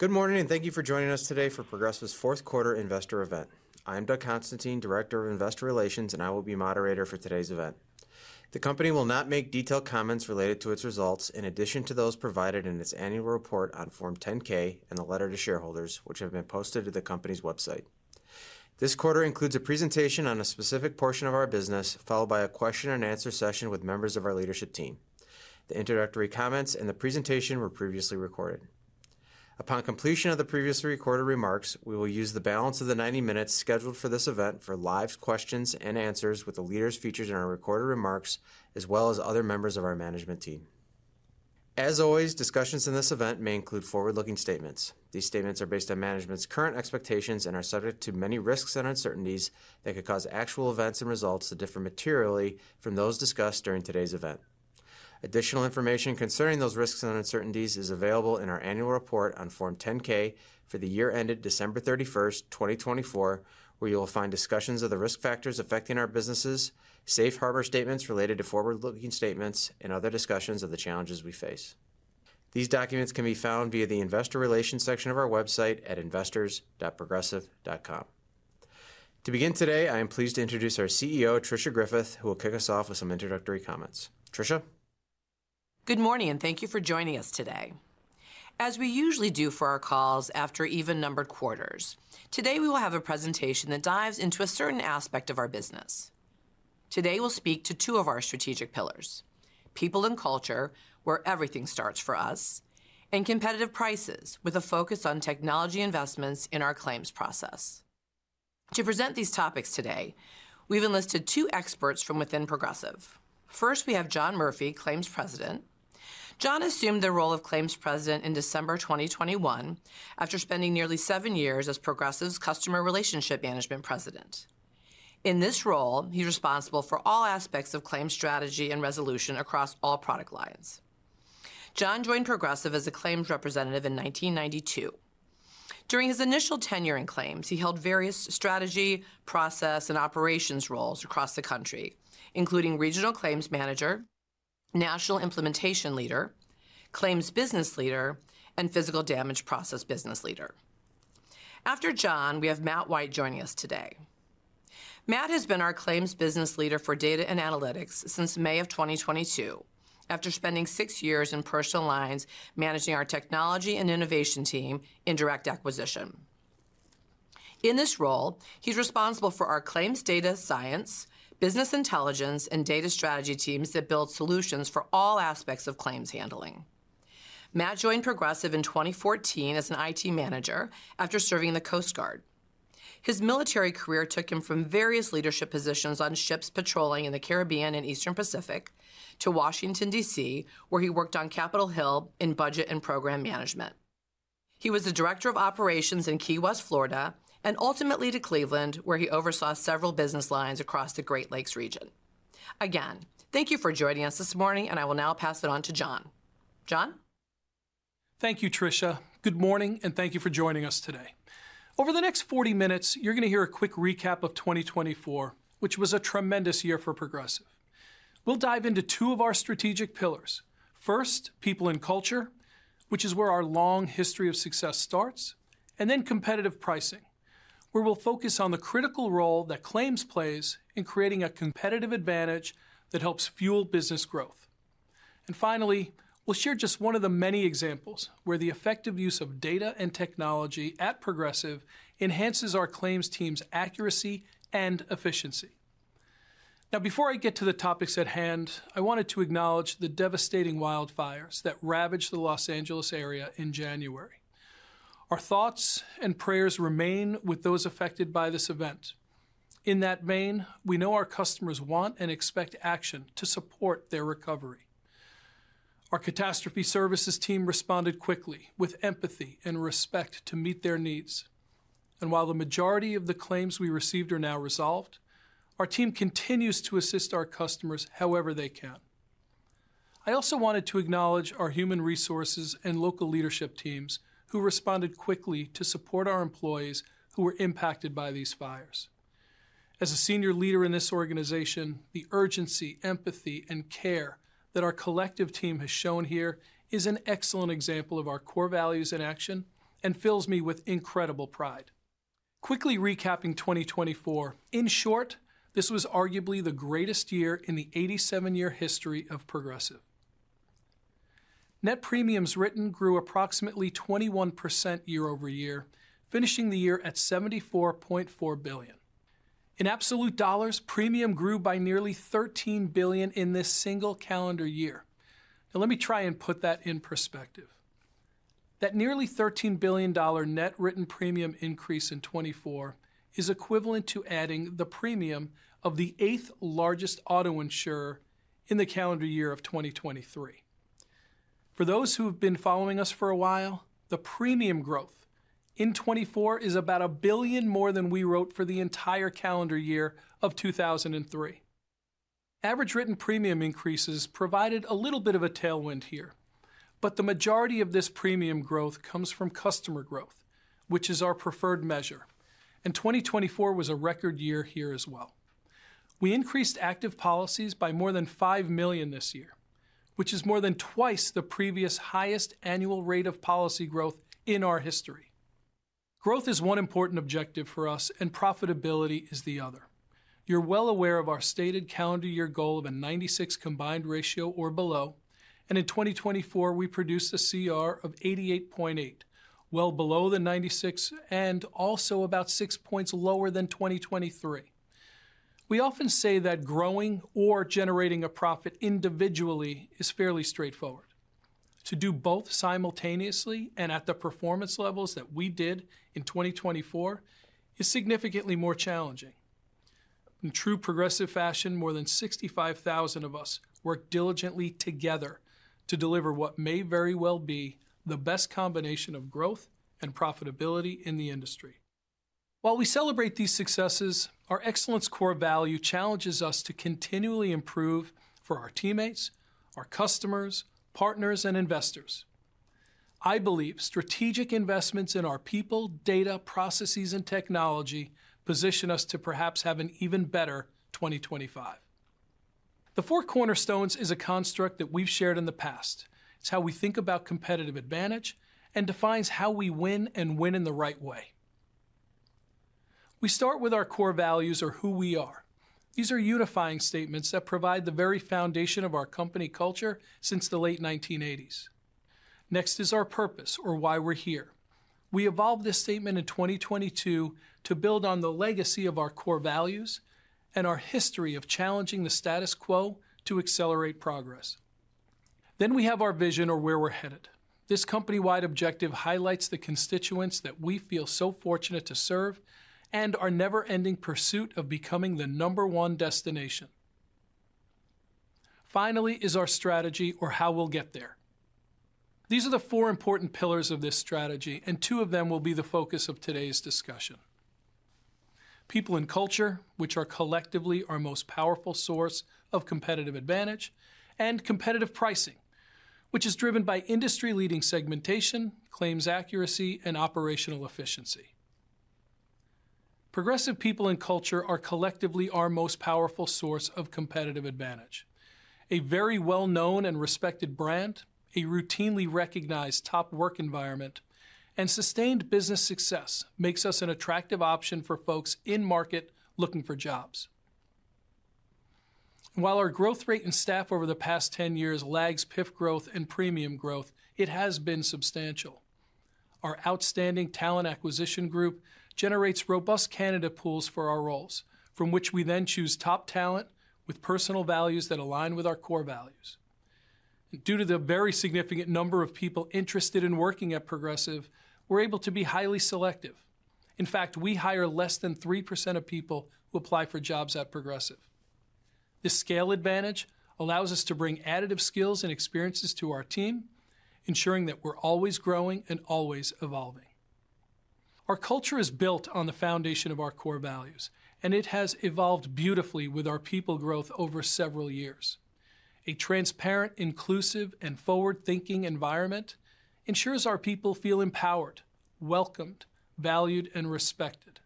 Good morning and thank you for joining us today for Progressive's Fourth Quarter Investor Event. I'm Doug Constantine, Director of Investor Relations, and I will be moderator for today's event. The company will not make detailed comments related to its results in addition to those provided in its annual report on Form 10-K and the letter to shareholders, which have been posted to the company's website. This quarter includes a presentation on a specific portion of our business, followed by a question-and-answer session with members of our leadership team. The introductory comments and the presentation were previously recorded. Upon completion of the previously recorded remarks, we will use the balance of the 90 minutes scheduled for this event for live questions and answers with the leaders featured in our recorded remarks, as well as other members of our management team. As always, discussions in this event may include forward-looking statements. These statements are based on management's current expectations and are subject to many risks and uncertainties that could cause actual events and results to differ materially from those discussed during today's event. Additional information concerning those risks and uncertainties is available in our annual report on Form 10-K for the year ended December 31st, 2024, where you will find discussions of the risk factors affecting our businesses, safe harbor statements related to forward-looking statements, and other discussions of the challenges we face. These documents can be found via the Investor Relations section of our website at investors.progressive.com. To begin today, I am pleased to introduce our CEO, Tricia Griffith, who will kick us off with some introductory comments. Tricia? Good morning and thank you for joining us today. As we usually do for our calls after even-numbered quarters, today we will have a presentation that dives into a certain aspect of our business. Today we'll speak to two of our strategic pillars: people and culture, where everything starts for us, and competitive prices, with a focus on technology investments in our claims process. To present these topics today, we've enlisted two experts from within Progressive. First, we have John Murphy, Claims President. John assumed the role of Claims President in December 2021 after spending nearly seven years as Progressive's Customer Relationship Management President. In this role, he's responsible for all aspects of claims strategy and resolution across all product lines. John joined Progressive as a Claims Representative in 1992. During his initial tenure in claims, he held various strategy, process, and operations roles across the country, including Regional Claims Manager, National Implementation Leader, Claims Business Leader, and Physical Damage Process Business Leader. After John, we have Matt White joining us today. Matt has been our Claims Business Leader for Data and Analytics since May of 2022, after spending six years in personal lines managing our technology and innovation team in direct acquisition. In this role, he's responsible for our Claims Data Science, Business Intelligence, and Data Strategy teams that build solutions for all aspects of claims handling. Matt joined Progressive in 2014 as an IT Manager after serving in the Coast Guard. His military career took him from various leadership positions on ships patrolling in the Caribbean and Eastern Pacific to Washington, D.C., where he worked on Capitol Hill in budget and program management. He was the Director of Operations in Key West, Florida, and ultimately to Cleveland, where he oversaw several business lines across the Great Lakes region. Again, thank you for joining us this morning, and I will now pass it on to John. John? Thank you, Tricia. Good morning and thank you for joining us today. Over the next 40 minutes, you're going to hear a quick recap of 2024, which was a tremendous year for Progressive. We'll dive into two of our strategic pillars. First, people and culture, which is where our long history of success starts, and then competitive pricing, where we'll focus on the critical role that claims plays in creating a competitive advantage that helps fuel business growth, and finally, we'll share just one of the many examples where the effective use of data and technology at Progressive enhances our claims team's accuracy and efficiency. Now, before I get to the topics at hand, I wanted to acknowledge the devastating wildfires that ravaged the Los Angeles area in January. Our thoughts and prayers remain with those affected by this event. In that vein, we know our customers want and expect action to support their recovery. Our Catastrophe Services team responded quickly with empathy and respect to meet their needs. And while the majority of the claims we received are now resolved, our team continues to assist our customers however they can. I also wanted to acknowledge our human resources and local leadership teams who responded quickly to support our employees who were impacted by these fires. As a senior leader in this organization, the urgency, empathy, and care that our collective team has shown here is an excellent example of our core values in action and fills me with incredible pride. Quickly recapping 2024, in short, this was arguably the greatest year in the 87-year history of Progressive. Net premiums written grew approximately 21% year-over-year, finishing the year at $74.4 billion. In absolute dollars, premium grew by nearly $13 billion in this single calendar year. Now, let me try and put that in perspective. That nearly $13 billion net written premium increase in 2024 is equivalent to adding the premium of the eighth largest auto insurer in the calendar year of 2023. For those who have been following us for a while, the premium growth in 2024 is about a billion more than we wrote for the entire calendar year of 2003. Average written premium increases provided a little bit of a tailwind here, but the majority of this premium growth comes from customer growth, which is our preferred measure, and 2024 was a record year here as well. We increased active policies by more than 5 million this year, which is more than twice the previous highest annual rate of policy growth in our history. Growth is one important objective for us, and profitability is the other. You're well aware of our stated calendar year goal of a 96 combined ratio or below, and in 2024, we produced a CR of 88.8, well below the 96 and also about six points lower than 2023. We often say that growing or generating a profit individually is fairly straightforward. To do both simultaneously and at the performance levels that we did in 2024 is significantly more challenging. In true Progressive fashion, more than 65,000 of us worked diligently together to deliver what may very well be the best combination of growth and profitability in the industry. While we celebrate these successes, our Excellence Core Value challenges us to continually improve for our teammates, our customers, partners, and investors. I believe strategic investments in our people, data, processes, and technology position us to perhaps have an even better 2025. The Four Cornerstones is a construct that we've shared in the past. It's how we think about competitive advantage and defines how we win and win in the right way. We start with our Core Values or who we are. These are unifying statements that provide the very foundation of our company culture since the late 1980s. Next is our Purpose or why we're here. We evolved this statement in 2022 to build on the legacy of our Core Values and our history of challenging the status quo to accelerate progress. Then we have our Vision or where we're headed. This company-wide objective highlights the constituents that we feel so fortunate to serve and our never-ending pursuit of becoming the number one destination. Finally is our strategy or how we'll get there. These are the four important pillars of this strategy, and two of them will be the focus of today's discussion: people and culture, which are collectively our most powerful source of competitive advantage, and competitive pricing, which is driven by industry-leading segmentation, claims accuracy, and operational efficiency. Progressive people and culture are collectively our most powerful source of competitive advantage. A very well-known and respected brand, a routinely recognized top work environment, and sustained business success makes us an attractive option for folks in the market looking for jobs. While our growth rate in staff over the past 10 years lags PIF growth and premium growth, it has been substantial. Our outstanding talent acquisition group generates robust candidate pools for our roles, from which we then choose top talent with personal values that align with our core values. Due to the very significant number of people interested in working at Progressive, we're able to be highly selective. In fact, we hire less than 3% of people who apply for jobs at Progressive. This scale advantage allows us to bring additive skills and experiences to our team, ensuring that we're always growing and always evolving. Our culture is built on the foundation of our core values, and it has evolved beautifully with our people growth over several years. A transparent, inclusive, and forward-thinking environment ensures our people feel empowered, welcomed, valued, and respected.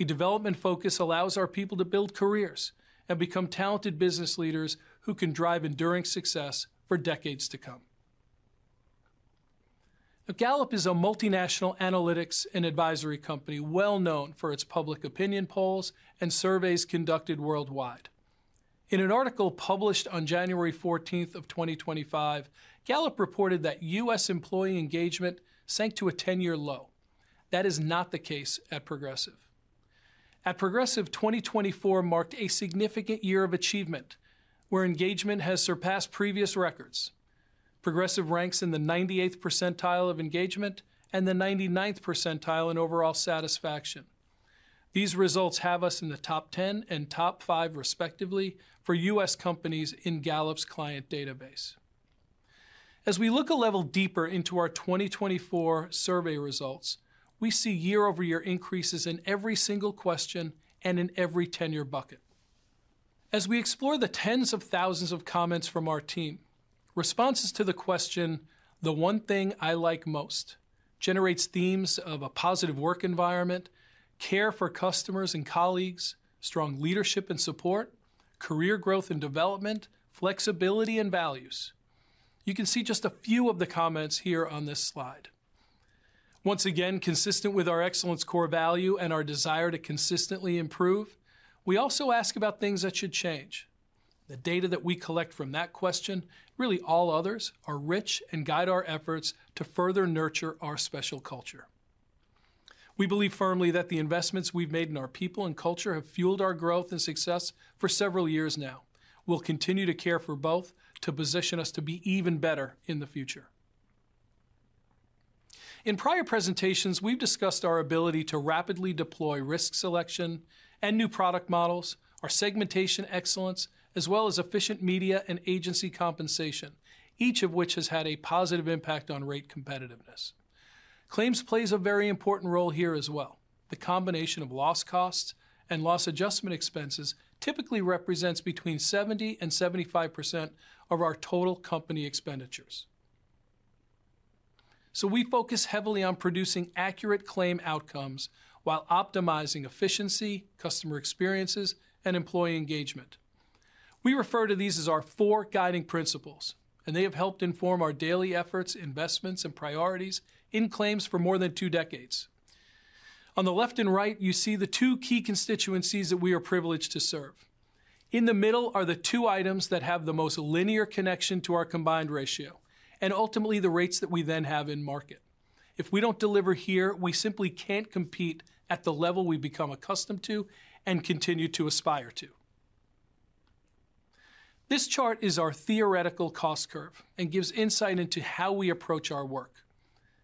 A development focus allows our people to build careers and become talented business leaders who can drive enduring success for decades to come. Now, Gallup is a multinational analytics and advisory company well known for its public opinion polls and surveys conducted worldwide. In an article published on January 14th of 2025, Gallup reported that U.S. employee engagement sank to a 10-year low. That is not the case at Progressive. At Progressive, 2024 marked a significant year of achievement, where engagement has surpassed previous records. Progressive ranks in the 98th percentile of engagement and the 99th percentile in overall satisfaction. These results have us in the top 10 and top 5, respectively, for U.S. companies in Gallup's client database. As we look a level deeper into our 2024 survey results, we see year-over-year increases in every single question and in every 10-year bucket. As we explore the tens of thousands of comments from our team, responses to the question, "The one thing I like most," generates themes of a positive work environment, care for customers and colleagues, strong leadership and support, career growth and development, flexibility and values. You can see just a few of the comments here on this slide. Once again, consistent with our Excellence Core Value and our desire to consistently improve, we also ask about things that should change. The data that we collect from that question, really all others, are rich and guide our efforts to further nurture our special culture. We believe firmly that the investments we've made in our people and culture have fueled our growth and success for several years now. We'll continue to care for both to position us to be even better in the future. In prior presentations, we've discussed our ability to rapidly deploy risk selection and new product models, our segmentation excellence, as well as efficient media and agency compensation, each of which has had a positive impact on rate competitiveness. Claims plays a very important role here as well. The combination of loss costs and loss adjustment expenses typically represents between 70%-75% of our total company expenditures. So we focus heavily on producing accurate claim outcomes while optimizing efficiency, customer experiences, and employee engagement. We refer to these as our four guiding principles, and they have helped inform our daily efforts, investments, and priorities in claims for more than two decades. On the left and right, you see the two key constituencies that we are privileged to serve. In the middle are the two items that have the most linear connection to our combined ratio and ultimately the rates that we then have in market. If we don't deliver here, we simply can't compete at the level we've become accustomed to and continue to aspire to. This chart is our theoretical cost curve and gives insight into how we approach our work.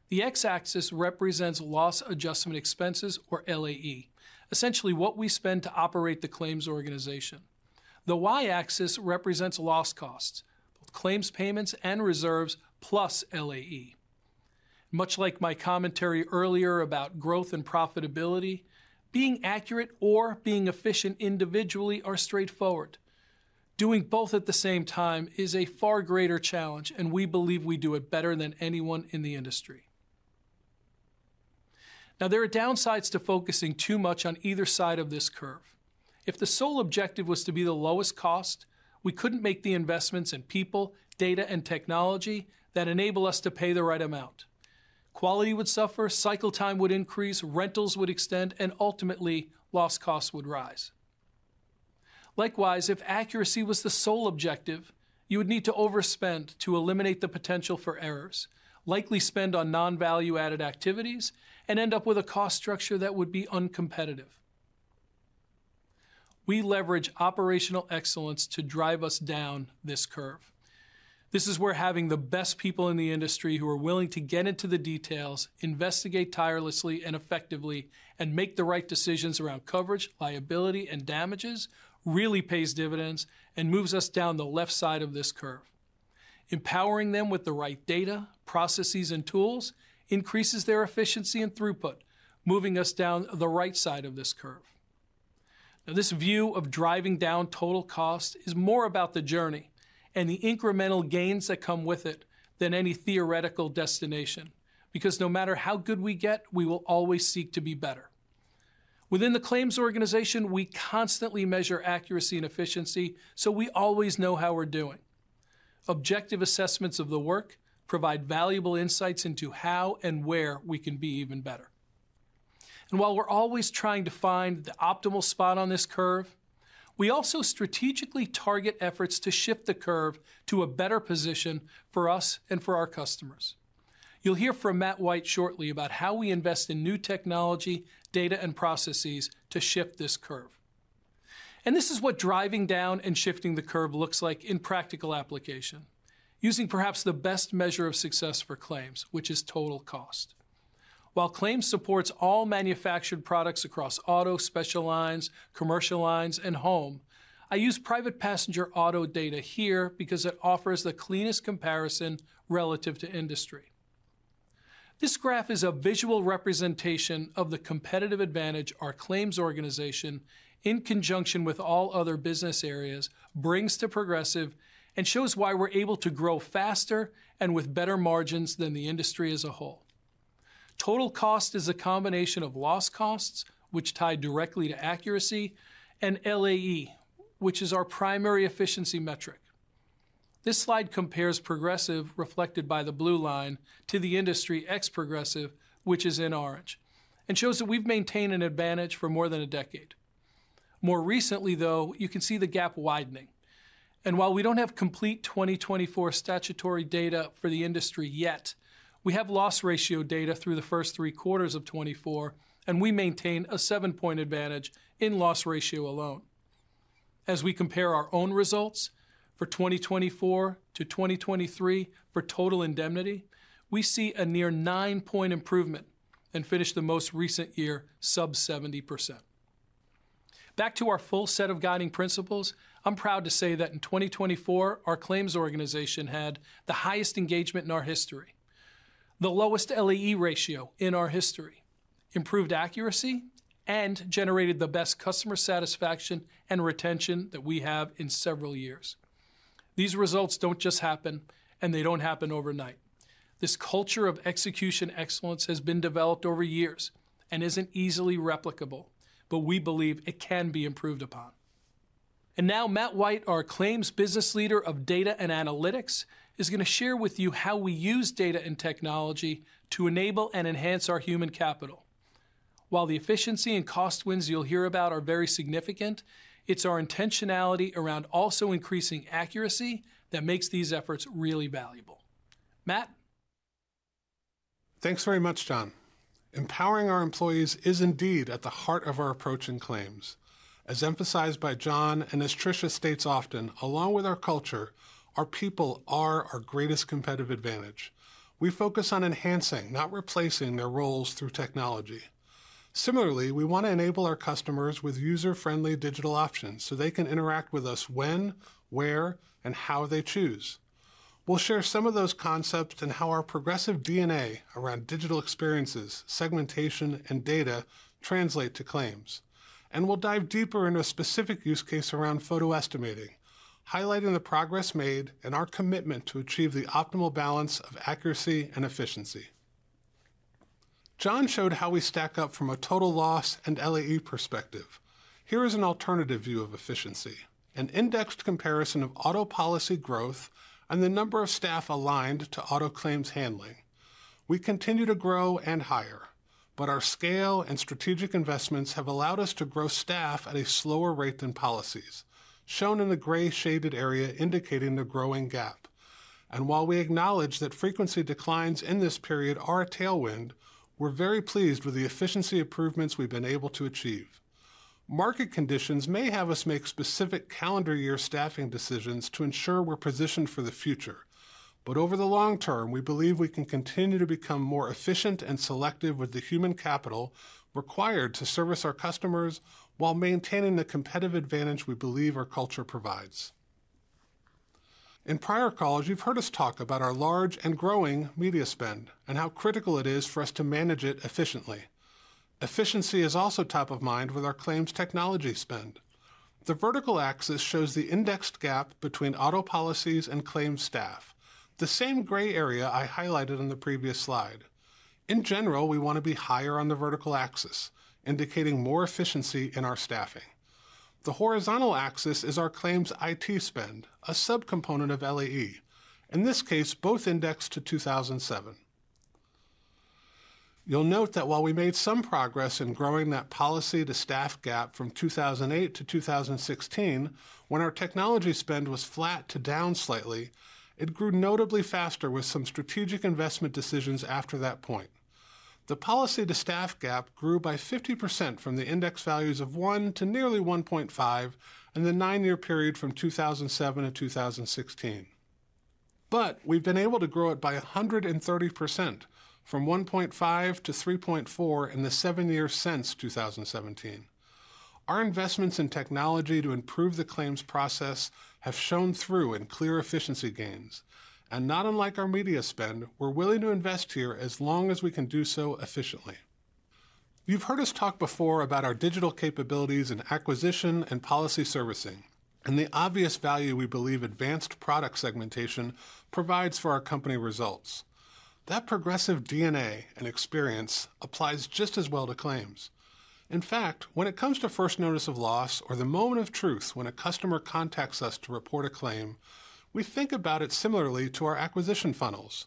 The X-axis represents loss adjustment expenses, or LAE, essentially what we spend to operate the claims organization. The Y-axis represents loss costs, both claims payments and reserves, plus LAE. Much like my commentary earlier about growth and profitability, being accurate or being efficient individually are straightforward. Doing both at the same time is a far greater challenge, and we believe we do it better than anyone in the industry. Now, there are downsides to focusing too much on either side of this curve. If the sole objective was to be the lowest cost, we couldn't make the investments in people, data, and technology that enable us to pay the right amount. Quality would suffer, cycle time would increase, rentals would extend, and ultimately, loss costs would rise. Likewise, if accuracy was the sole objective, you would need to overspend to eliminate the potential for errors, likely spend on non-value-added activities, and end up with a cost structure that would be uncompetitive. We leverage operational excellence to drive us down this curve. This is where having the best people in the industry who are willing to get into the details, investigate tirelessly and effectively, and make the right decisions around coverage, liability, and damages really pays dividends and moves us down the left side of this curve. Empowering them with the right data, processes, and tools increases their efficiency and throughput, moving us down the right side of this curve. Now, this view of driving down total cost is more about the journey and the incremental gains that come with it than any theoretical destination, because no matter how good we get, we will always seek to be better. Within the claims organization, we constantly measure accuracy and efficiency so we always know how we're doing. Objective assessments of the work provide valuable insights into how and where we can be even better. And while we're always trying to find the optimal spot on this curve, we also strategically target efforts to shift the curve to a better position for us and for our customers. You'll hear from Matt White shortly about how we invest in new technology, data, and processes to shift this curve. And this is what driving down and shifting the curve looks like in practical application, using perhaps the best measure of success for claims, which is total cost. While Claims supports all manufactured products across auto, special lines, commercial lines, and home, I use private passenger auto data here because it offers the cleanest comparison relative to industry. This graph is a visual representation of the competitive advantage our claims organization, in conjunction with all other business areas, brings to Progressive and shows why we're able to grow faster and with better margins than the industry as a whole. Total cost is a combination of loss costs, which tie directly to accuracy, and LAE, which is our primary efficiency metric. This slide compares Progressive, reflected by the blue line, to the industry ex-Progressive, which is in orange, and shows that we've maintained an advantage for more than a decade. More recently, though, you can see the gap widening. And while we don't have complete 2024 statutory data for the industry yet, we have loss ratio data through the first three quarters of 2024, and we maintain a seven-point advantage in loss ratio alone. As we compare our own results for 2024 to 2023 for total indemnity, we see a near nine-point improvement and finish the most recent year sub-70%. Back to our full set of guiding principles, I'm proud to say that in 2024, our claims organization had the highest engagement in our history, the lowest LAE ratio in our history, improved accuracy, and generated the best customer satisfaction and retention that we have in several years. These results don't just happen, and they don't happen overnight. This culture of execution excellence has been developed over years and isn't easily replicable, but we believe it can be improved upon. Now, Matt White, our claims business leader of data and analytics, is going to share with you how we use data and technology to enable and enhance our human capital. While the efficiency and cost wins you'll hear about are very significant, it's our intentionality around also increasing accuracy that makes these efforts really valuable. Matt? Thanks very much, John. Empowering our employees is indeed at the heart of our approach in claims. As emphasized by John and as Tricia states often, along with our culture, our people are our greatest competitive advantage. We focus on enhancing, not replacing, their roles through technology. Similarly, we want to enable our customers with user-friendly digital options so they can interact with us when, where, and how they choose. We'll share some of those concepts and how our Progressive DNA around digital experiences, segmentation, and data translates to claims. And we'll dive deeper into a specific use case around photo estimating, highlighting the progress made and our commitment to achieve the optimal balance of accuracy and efficiency. John showed how we stack up from a total loss and LAE perspective. Here is an alternative view of efficiency: an indexed comparison of auto policy growth and the number of staff aligned to auto claims handling. We continue to grow and hire, but our scale and strategic investments have allowed us to grow staff at a slower rate than policies, shown in the gray shaded area indicating the growing gap. And while we acknowledge that frequency declines in this period are a tailwind, we're very pleased with the efficiency improvements we've been able to achieve. Market conditions may have us make specific calendar year staffing decisions to ensure we're positioned for the future. But over the long term, we believe we can continue to become more efficient and selective with the human capital required to service our customers while maintaining the competitive advantage we believe our culture provides. In prior calls, you've heard us talk about our large and growing media spend and how critical it is for us to manage it efficiently. Efficiency is also top of mind with our claims technology spend. The vertical axis shows the indexed gap between auto policies and claims staff, the same gray area I highlighted on the previous slide. In general, we want to be higher on the vertical axis, indicating more efficiency in our staffing. The horizontal axis is our claims IT spend, a subcomponent of LAE. In this case, both indexed to 2007. You'll note that while we made some progress in growing that policy-to-staff gap from 2008 to 2016, when our technology spend was flat to down slightly, it grew notably faster with some strategic investment decisions after that point. The policy-to-staff gap grew by 50% from the index values of 1 to nearly 1.5 in the nine-year period from 2007 to 2016. But we've been able to grow it by 130% from 1.5 to 3.4 in the seven years since 2017. Our investments in technology to improve the claims process have shown through in clear efficiency gains. And not unlike our media spend, we're willing to invest here as long as we can do so efficiently. You've heard us talk before about our digital capabilities in acquisition and policy servicing and the obvious value we believe advanced product segmentation provides for our company results. That Progressive DNA and experience applies just as well to claims. In fact, when it comes to first notice of loss or the moment of truth when a customer contacts us to report a claim, we think about it similarly to our acquisition funnels.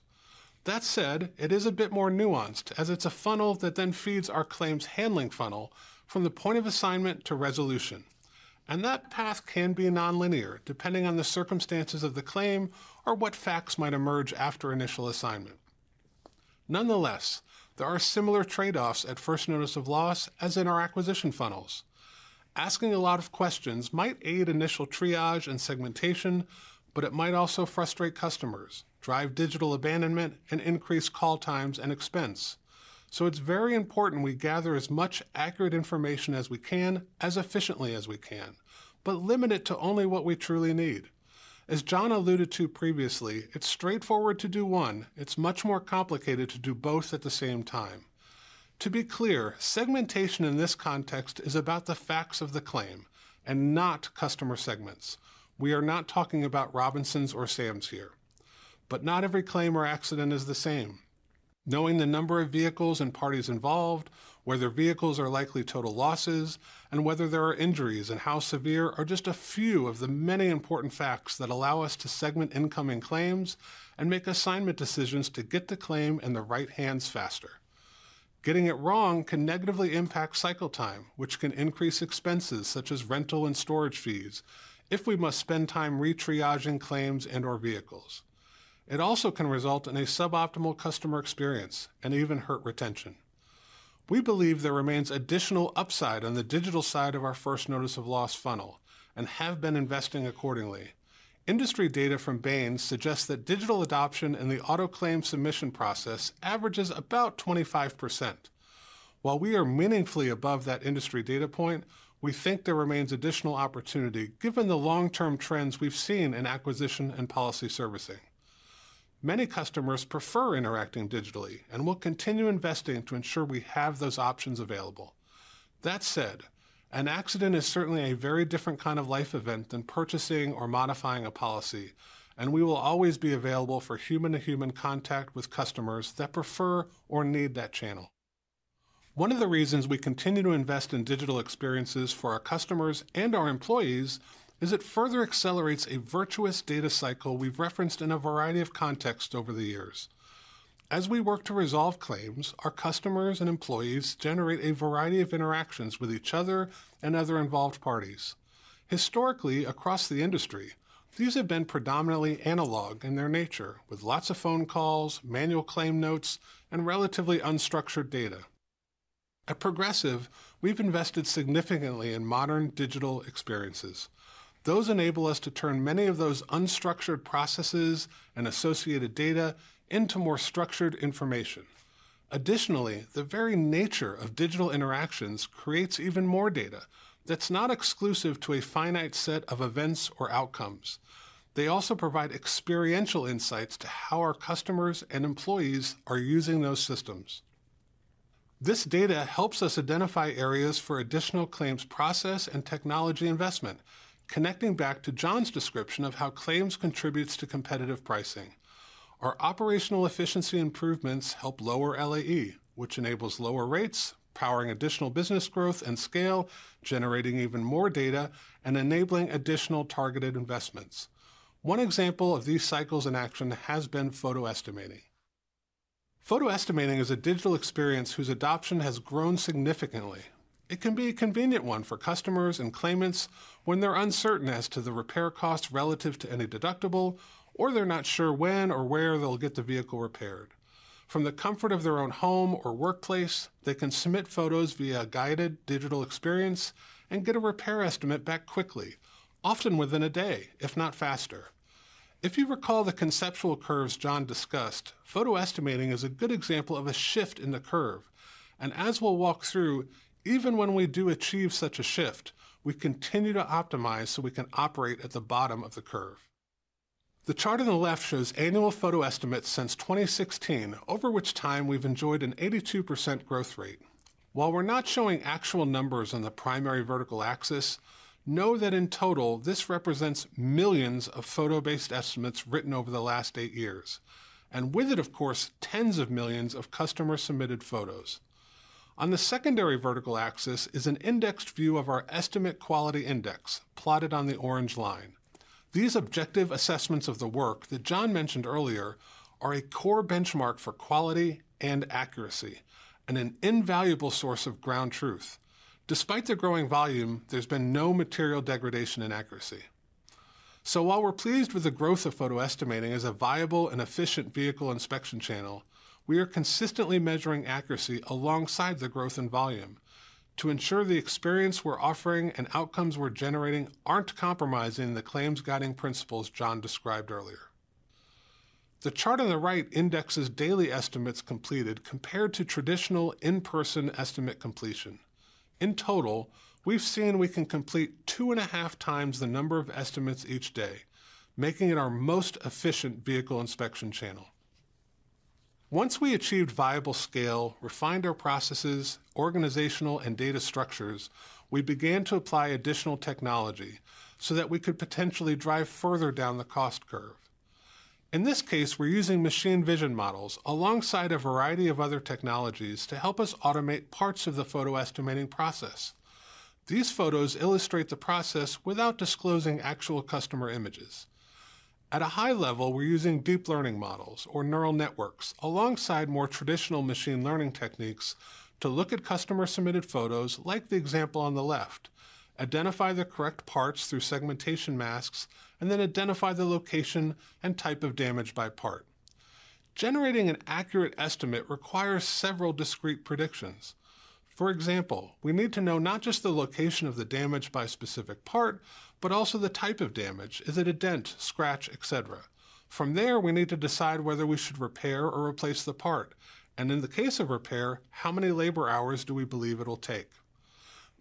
That said, it is a bit more nuanced as it's a funnel that then feeds our claims handling funnel from the point of assignment to resolution, and that path can be non-linear depending on the circumstances of the claim or what facts might emerge after initial assignment. Nonetheless, there are similar trade-offs at first notice of loss as in our acquisition funnels. Asking a lot of questions might aid initial triage and segmentation, but it might also frustrate customers, drive digital abandonment, and increase call times and expense. It's very important we gather as much accurate information as we can, as efficiently as we can, but limit it to only what we truly need. As John alluded to previously, it's straightforward to do one. It's much more complicated to do both at the same time. To be clear, segmentation in this context is about the facts of the claim and not customer segments. We are not talking about Robinsons or Sams here. But not every claim or accident is the same. Knowing the number of vehicles and parties involved, whether vehicles are likely total losses, and whether there are injuries and how severe are just a few of the many important facts that allow us to segment incoming claims and make assignment decisions to get the claim in the right hands faster. Getting it wrong can negatively impact cycle time, which can increase expenses such as rental and storage fees if we must spend time retriaging claims and/or vehicles. It also can result in a suboptimal customer experience and even hurt retention. We believe there remains additional upside on the digital side of our first notice of loss funnel and have been investing accordingly. Industry data from Bain suggests that digital adoption in the auto claim submission process averages about 25%. While we are meaningfully above that industry data point, we think there remains additional opportunity given the long-term trends we've seen in acquisition and policy servicing. Many customers prefer interacting digitally and will continue investing to ensure we have those options available. That said, an accident is certainly a very different kind of life event than purchasing or modifying a policy, and we will always be available for human-to-human contact with customers that prefer or need that channel. One of the reasons we continue to invest in digital experiences for our customers and our employees is it further accelerates a virtuous data cycle we've referenced in a variety of contexts over the years. As we work to resolve claims, our customers and employees generate a variety of interactions with each other and other involved parties. Historically, across the industry, these have been predominantly analog in their nature, with lots of phone calls, manual claim notes, and relatively unstructured data. At Progressive, we've invested significantly in modern digital experiences. Those enable us to turn many of those unstructured processes and associated data into more structured information. Additionally, the very nature of digital interactions creates even more data that's not exclusive to a finite set of events or outcomes. They also provide experiential insights to how our customers and employees are using those systems. This data helps us identify areas for additional claims process and technology investment, connecting back to John's description of how claims contributes to competitive pricing. Our operational efficiency improvements help lower LAE, which enables lower rates, powering additional business growth and scale, generating even more data and enabling additional targeted investments. One example of these cycles in action has been photo estimating. Photo estimating is a digital experience whose adoption has grown significantly. It can be a convenient one for customers and claimants when they're uncertain as to the repair cost relative to any deductible, or they're not sure when or where they'll get the vehicle repaired. From the comfort of their own home or workplace, they can submit photos via a guided digital experience and get a repair estimate back quickly, often within a day, if not faster. If you recall the conceptual curves John discussed, photo estimating is a good example of a shift in the curve. And as we'll walk through, even when we do achieve such a shift, we continue to optimize so we can operate at the bottom of the curve. The chart on the left shows annual photo estimates since 2016, over which time we've enjoyed an 82% growth rate. While we're not showing actual numbers on the primary vertical axis, know that in total, this represents millions of photo-based estimates written over the last eight years. And with it, of course, tens of millions of customer-submitted photos. On the secondary vertical axis is an indexed view of our estimate quality index plotted on the orange line. These objective assessments of the work that John mentioned earlier are a core benchmark for quality and accuracy and an invaluable source of ground truth. Despite the growing volume, there's been no material degradation in accuracy. So while we're pleased with the growth of photo estimating as a viable and efficient vehicle inspection channel, we are consistently measuring accuracy alongside the growth in volume to ensure the experience we're offering and outcomes we're generating aren't compromising the Claims Guiding Principles John described earlier. The chart on the right indexes daily estimates completed compared to traditional in-person estimate completion. In total, we've seen we can complete two and a half times the number of estimates each day, making it our most efficient vehicle inspection channel. Once we achieved viable scale, refined our processes, organizational, and data structures, we began to apply additional technology so that we could potentially drive further down the cost curve. In this case, we're using machine vision models alongside a variety of other technologies to help us automate parts of the photo estimating process. These photos illustrate the process without disclosing actual customer images. At a high level, we're using deep learning models or neural networks alongside more traditional machine learning techniques to look at customer-submitted photos like the example on the left, identify the correct parts through segmentation masks, and then identify the location and type of damage by part. Generating an accurate estimate requires several discrete predictions. For example, we need to know not just the location of the damage by specific part, but also the type of damage. Is it a dent, scratch, etc.? From there, we need to decide whether we should repair or replace the part, and in the case of repair, how many labor hours do we believe it'll take?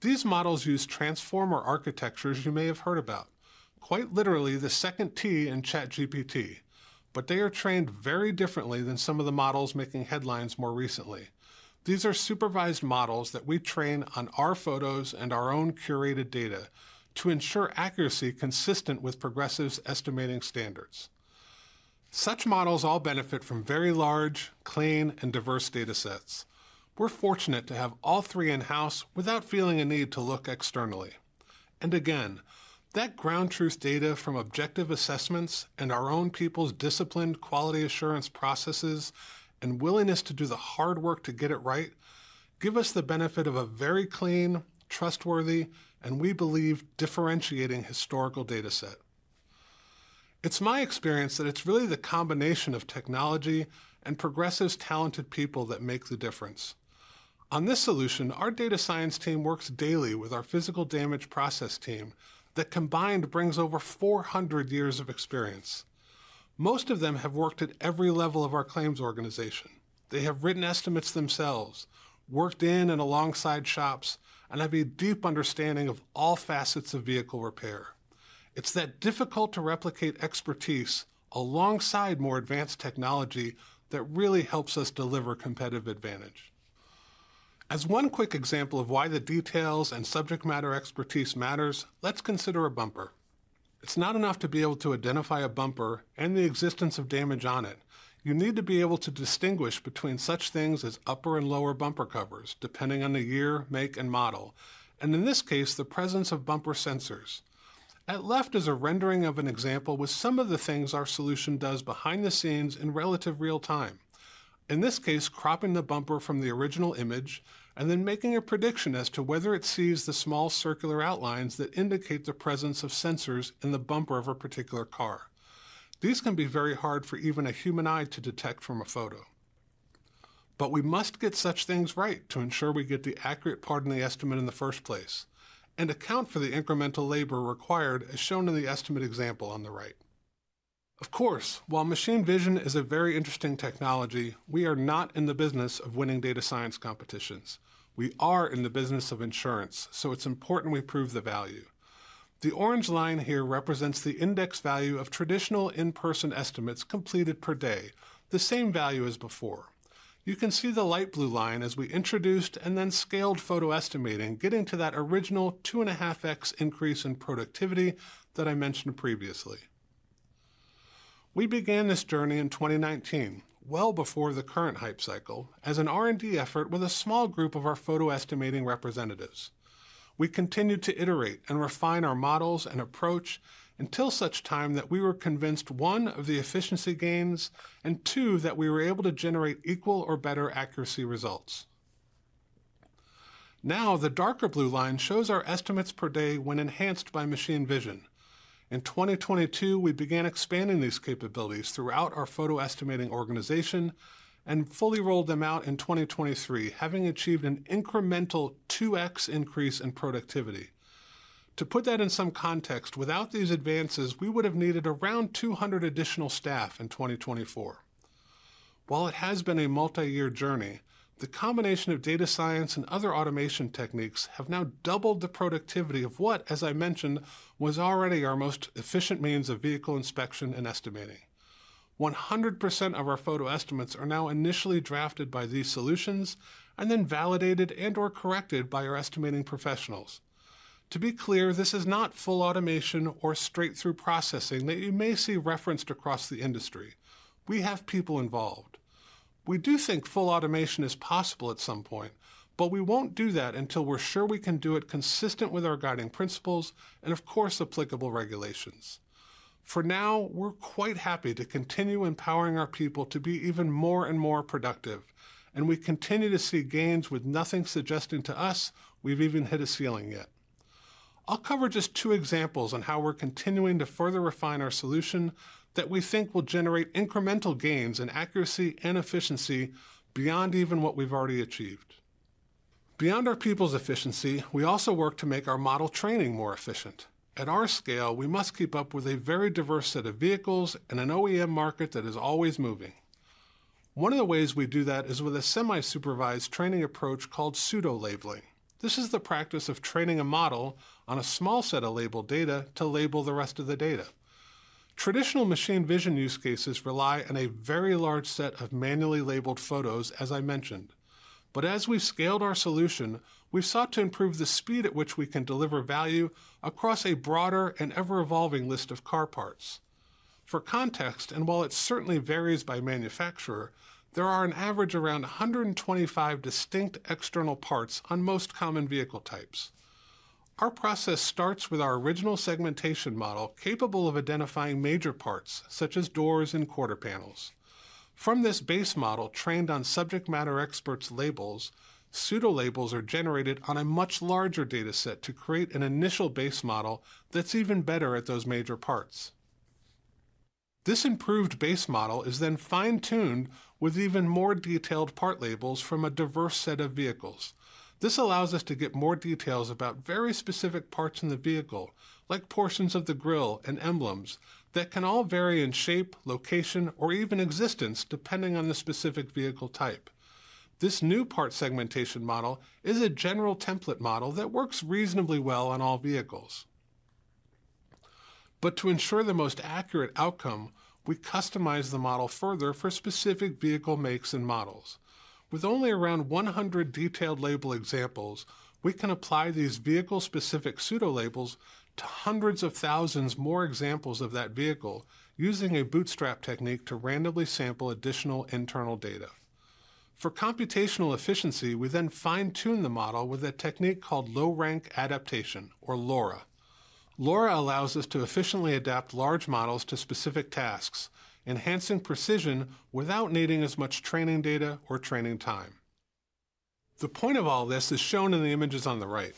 These models use transformer architectures you may have heard about, quite literally the second T in ChatGPT, but they are trained very differently than some of the models making headlines more recently. These are supervised models that we train on our photos and our own curated data to ensure accuracy consistent with Progressive's estimating standards. Such models all benefit from very large, clean, and diverse data sets. We're fortunate to have all three in-house without feeling a need to look externally. And again, that ground truth data from objective assessments and our own people's disciplined quality assurance processes and willingness to do the hard work to get it right give us the benefit of a very clean, trustworthy, and we believe differentiating historical data set. It's my experience that it's really the combination of technology and Progressive's talented people that make the difference. On this solution, our data science team works daily with our Physical Damage Process team that combined brings over 400 years of experience. Most of them have worked at every level of our claims organization. They have written estimates themselves, worked in and alongside shops, and have a deep understanding of all facets of vehicle repair. It's that difficult to replicate expertise alongside more advanced technology that really helps us deliver competitive advantage. As one quick example of why the details and subject matter expertise matters, let's consider a bumper. It's not enough to be able to identify a bumper and the existence of damage on it. You need to be able to distinguish between such things as upper and lower bumper covers, depending on the year, make, and model. And in this case, the presence of bumper sensors. At left is a rendering of an example with some of the things our solution does behind the scenes in relative real time. In this case, cropping the bumper from the original image and then making a prediction as to whether it sees the small circular outlines that indicate the presence of sensors in the bumper of a particular car. These can be very hard for even a human eye to detect from a photo. We must get such things right to ensure we get the accurate part in the estimate in the first place and account for the incremental labor required as shown in the estimate example on the right. Of course, while machine vision is a very interesting technology, we are not in the business of winning data science competitions. We are in the business of insurance, so it's important we prove the value. The orange line here represents the index value of traditional in-person estimates completed per day, the same value as before. You can see the light blue line as we introduced and then scaled photo estimating, getting to that original two and a half X increase in productivity that I mentioned previously. We began this journey in 2019, well before the current hype cycle, as an R&D effort with a small group of our photo estimating representatives. We continued to iterate and refine our models and approach until such time that we were convinced, one, of the efficiency gains and, two, that we were able to generate equal or better accuracy results. Now, the darker blue line shows our estimates per day when enhanced by machine vision. In 2022, we began expanding these capabilities throughout our photo estimating organization and fully rolled them out in 2023, having achieved an incremental 2X increase in productivity. To put that in some context, without these advances, we would have needed around 200 additional staff in 2024. While it has been a multi-year journey, the combination of data science and other automation techniques have now doubled the productivity of what, as I mentioned, was already our most efficient means of vehicle inspection and estimating. 100% of our photo estimates are now initially drafted by these solutions and then validated and/or corrected by our estimating professionals. To be clear, this is not full automation or straight-through processing that you may see referenced across the industry. We have people involved. We do think full automation is possible at some point, but we won't do that until we're sure we can do it consistent with our guiding principles and, of course, applicable regulations. For now, we're quite happy to continue empowering our people to be even more and more productive, and we continue to see gains with nothing suggesting to us we've even hit a ceiling yet. I'll cover just two examples on how we're continuing to further refine our solution that we think will generate incremental gains in accuracy and efficiency beyond even what we've already achieved. Beyond our people's efficiency, we also work to make our model training more efficient. At our scale, we must keep up with a very diverse set of vehicles and an OEM market that is always moving. One of the ways we do that is with a semi-supervised training approach called pseudo-labeling. This is the practice of training a model on a small set of labeled data to label the rest of the data. Traditional machine vision use cases rely on a very large set of manually labeled photos, as I mentioned. But as we've scaled our solution, we've sought to improve the speed at which we can deliver value across a broader and ever-evolving list of car parts. For context, and while it certainly varies by manufacturer, there are on average around 125 distinct external parts on most common vehicle types. Our process starts with our original segmentation model capable of identifying major parts such as doors and quarter panels. From this base model trained on subject matter experts' labels, pseudo-labels are generated on a much larger data set to create an initial base model that's even better at those major parts. This improved base model is then fine-tuned with even more detailed part labels from a diverse set of vehicles. This allows us to get more details about very specific parts in the vehicle, like portions of the grille and emblems that can all vary in shape, location, or even existence depending on the specific vehicle type. This new part segmentation model is a general template model that works reasonably well on all vehicles. But to ensure the most accurate outcome, we customize the model further for specific vehicle makes and models. With only around 100 detailed label examples, we can apply these vehicle-specific pseudo-labels to hundreds of thousands more examples of that vehicle using a bootstrap technique to randomly sample additional internal data. For computational efficiency, we then fine-tune the model with a technique called low-rank adaptation, or LoRA. LoRA allows us to efficiently adapt large models to specific tasks, enhancing precision without needing as much training data or training time. The point of all this is shown in the images on the right.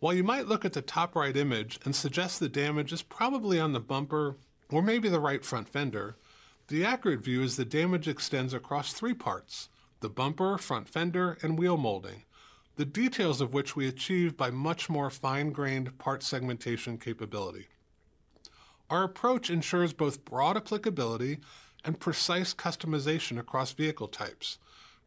While you might look at the top right image and suggest the damage is probably on the bumper or maybe the right front fender, the accurate view is the damage extends across three parts: the bumper, front fender, and wheel molding, the details of which we achieve by much more fine-grained part segmentation capability. Our approach ensures both broad applicability and precise customization across vehicle types,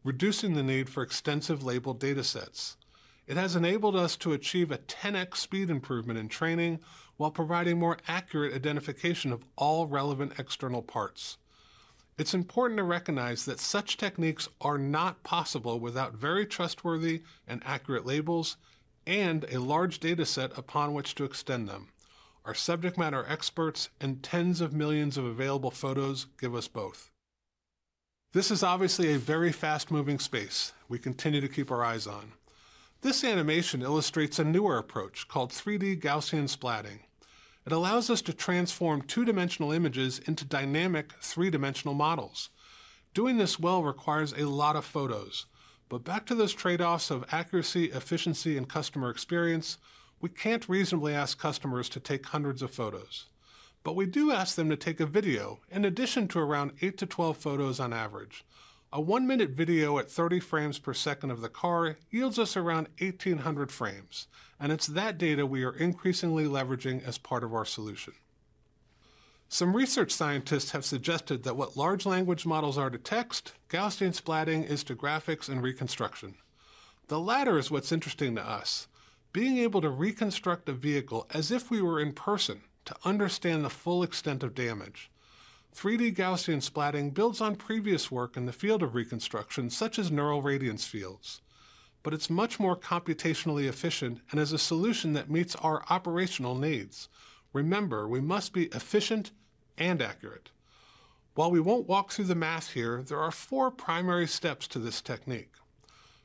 reducing the need for extensive labeled data sets. It has enabled us to achieve a 10X speed improvement in training while providing more accurate identification of all relevant external parts. It's important to recognize that such techniques are not possible without very trustworthy and accurate labels and a large data set upon which to extend them. Our subject matter experts and tens of millions of available photos give us both. This is obviously a very fast-moving space we continue to keep our eyes on. This animation illustrates a newer approach called 3D Gaussian Splatting. It allows us to transform two-dimensional images into dynamic three-dimensional models. Doing this well requires a lot of photos, but back to those trade-offs of accuracy, efficiency, and customer experience, we can't reasonably ask customers to take hundreds of photos. But we do ask them to take a video in addition to around 8-12 photos on average. A one-minute video at 30 frames per second of the car yields us around 1,800 frames. And it's that data we are increasingly leveraging as part of our solution. Some research scientists have suggested that what large language models are to text, Gaussian Splatting is to graphics and reconstruction. The latter is what's interesting to us, being able to reconstruct a vehicle as if we were in person to understand the full extent of damage. 3D Gaussian Splatting builds on previous work in the field of reconstruction, such as Neural Radiance Fields. But it's much more computationally efficient and is a solution that meets our operational needs. Remember, we must be efficient and accurate. While we won't walk through the math here, there are four primary steps to this technique.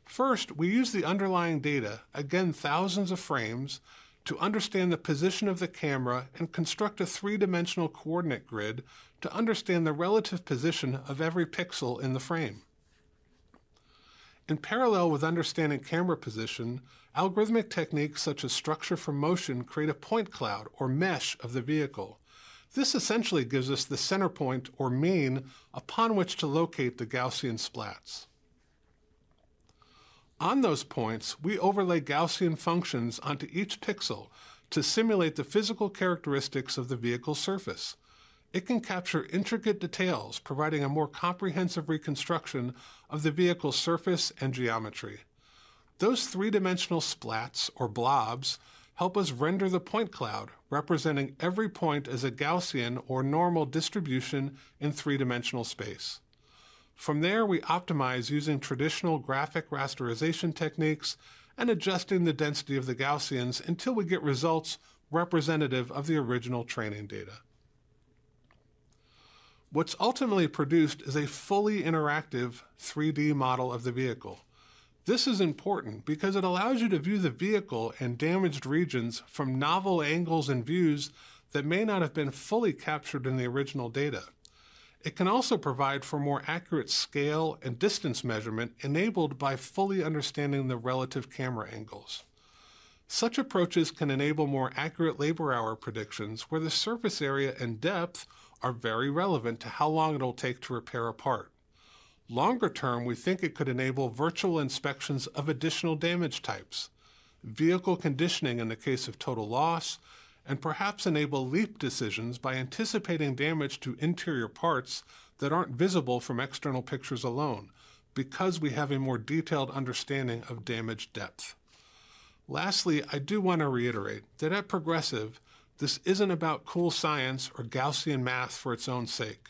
First, we use the underlying data, again, thousands of frames, to understand the position of the camera and construct a three-dimensional coordinate grid to understand the relative position of every pixel in the frame. In parallel with understanding camera position, algorithmic techniques such as Structure from Motion create a point cloud or mesh of the vehicle. This essentially gives us the center point or mean upon which to locate the Gaussian splats. On those points, we overlay Gaussian functions onto each pixel to simulate the physical characteristics of the vehicle surface. It can capture intricate details, providing a more comprehensive reconstruction of the vehicle surface and geometry. Those three-dimensional splats or blobs help us render the point cloud, representing every point as a Gaussian or normal distribution in three-dimensional space. From there, we optimize using traditional graphic rasterization techniques and adjusting the density of the Gaussians until we get results representative of the original training data. What's ultimately produced is a fully interactive 3D model of the vehicle. This is important because it allows you to view the vehicle and damaged regions from novel angles and views that may not have been fully captured in the original data. It can also provide for more accurate scale and distance measurement enabled by fully understanding the relative camera angles. Such approaches can enable more accurate labor hour predictions where the surface area and depth are very relevant to how long it'll take to repair a part. Longer term, we think it could enable virtual inspections of additional damage types, vehicle conditioning in the case of total loss, and perhaps enable leap decisions by anticipating damage to interior parts that aren't visible from external pictures alone because we have a more detailed understanding of damage depth. Lastly, I do want to reiterate that at Progressive, this isn't about cool science or Gaussian math for its own sake.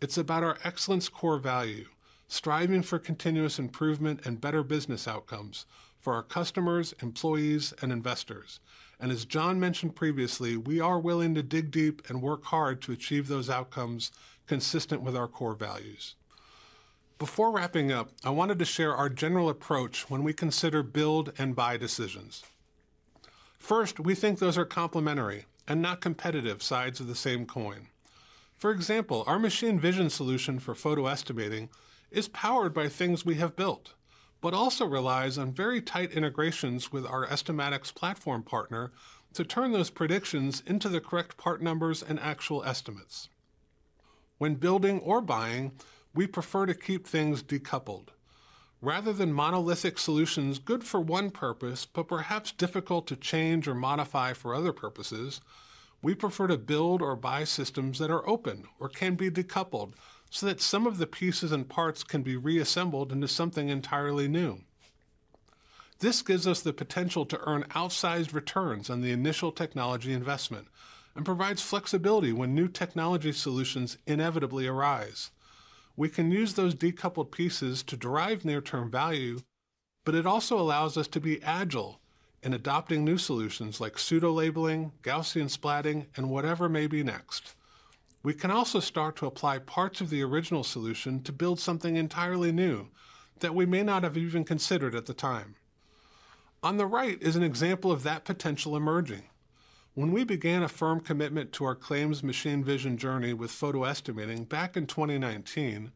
It's about our excellence core value, striving for continuous improvement and better business outcomes for our customers, employees, and investors, and as John mentioned previously, we are willing to dig deep and work hard to achieve those outcomes consistent with our core values. Before wrapping up, I wanted to share our general approach when we consider build and buy decisions. First, we think those are complementary and not competitive sides of the same coin. For example, our machine vision solution for photo estimating is powered by things we have built, but also relies on very tight integrations with our estimatics platform partner to turn those predictions into the correct part numbers and actual estimates. When building or buying, we prefer to keep things decoupled. Rather than monolithic solutions good for one purpose, but perhaps difficult to change or modify for other purposes, we prefer to build or buy systems that are open or can be decoupled so that some of the pieces and parts can be reassembled into something entirely new. This gives us the potential to earn outsized returns on the initial technology investment and provides flexibility when new technology solutions inevitably arise. We can use those decoupled pieces to derive near-term value, but it also allows us to be agile in adopting new solutions like pseudo-labeling, Gaussian splatting, and whatever may be next. We can also start to apply parts of the original solution to build something entirely new that we may not have even considered at the time. On the right is an example of that potential emerging. When we began a firm commitment to our claims machine vision journey with photo estimating back in 2019,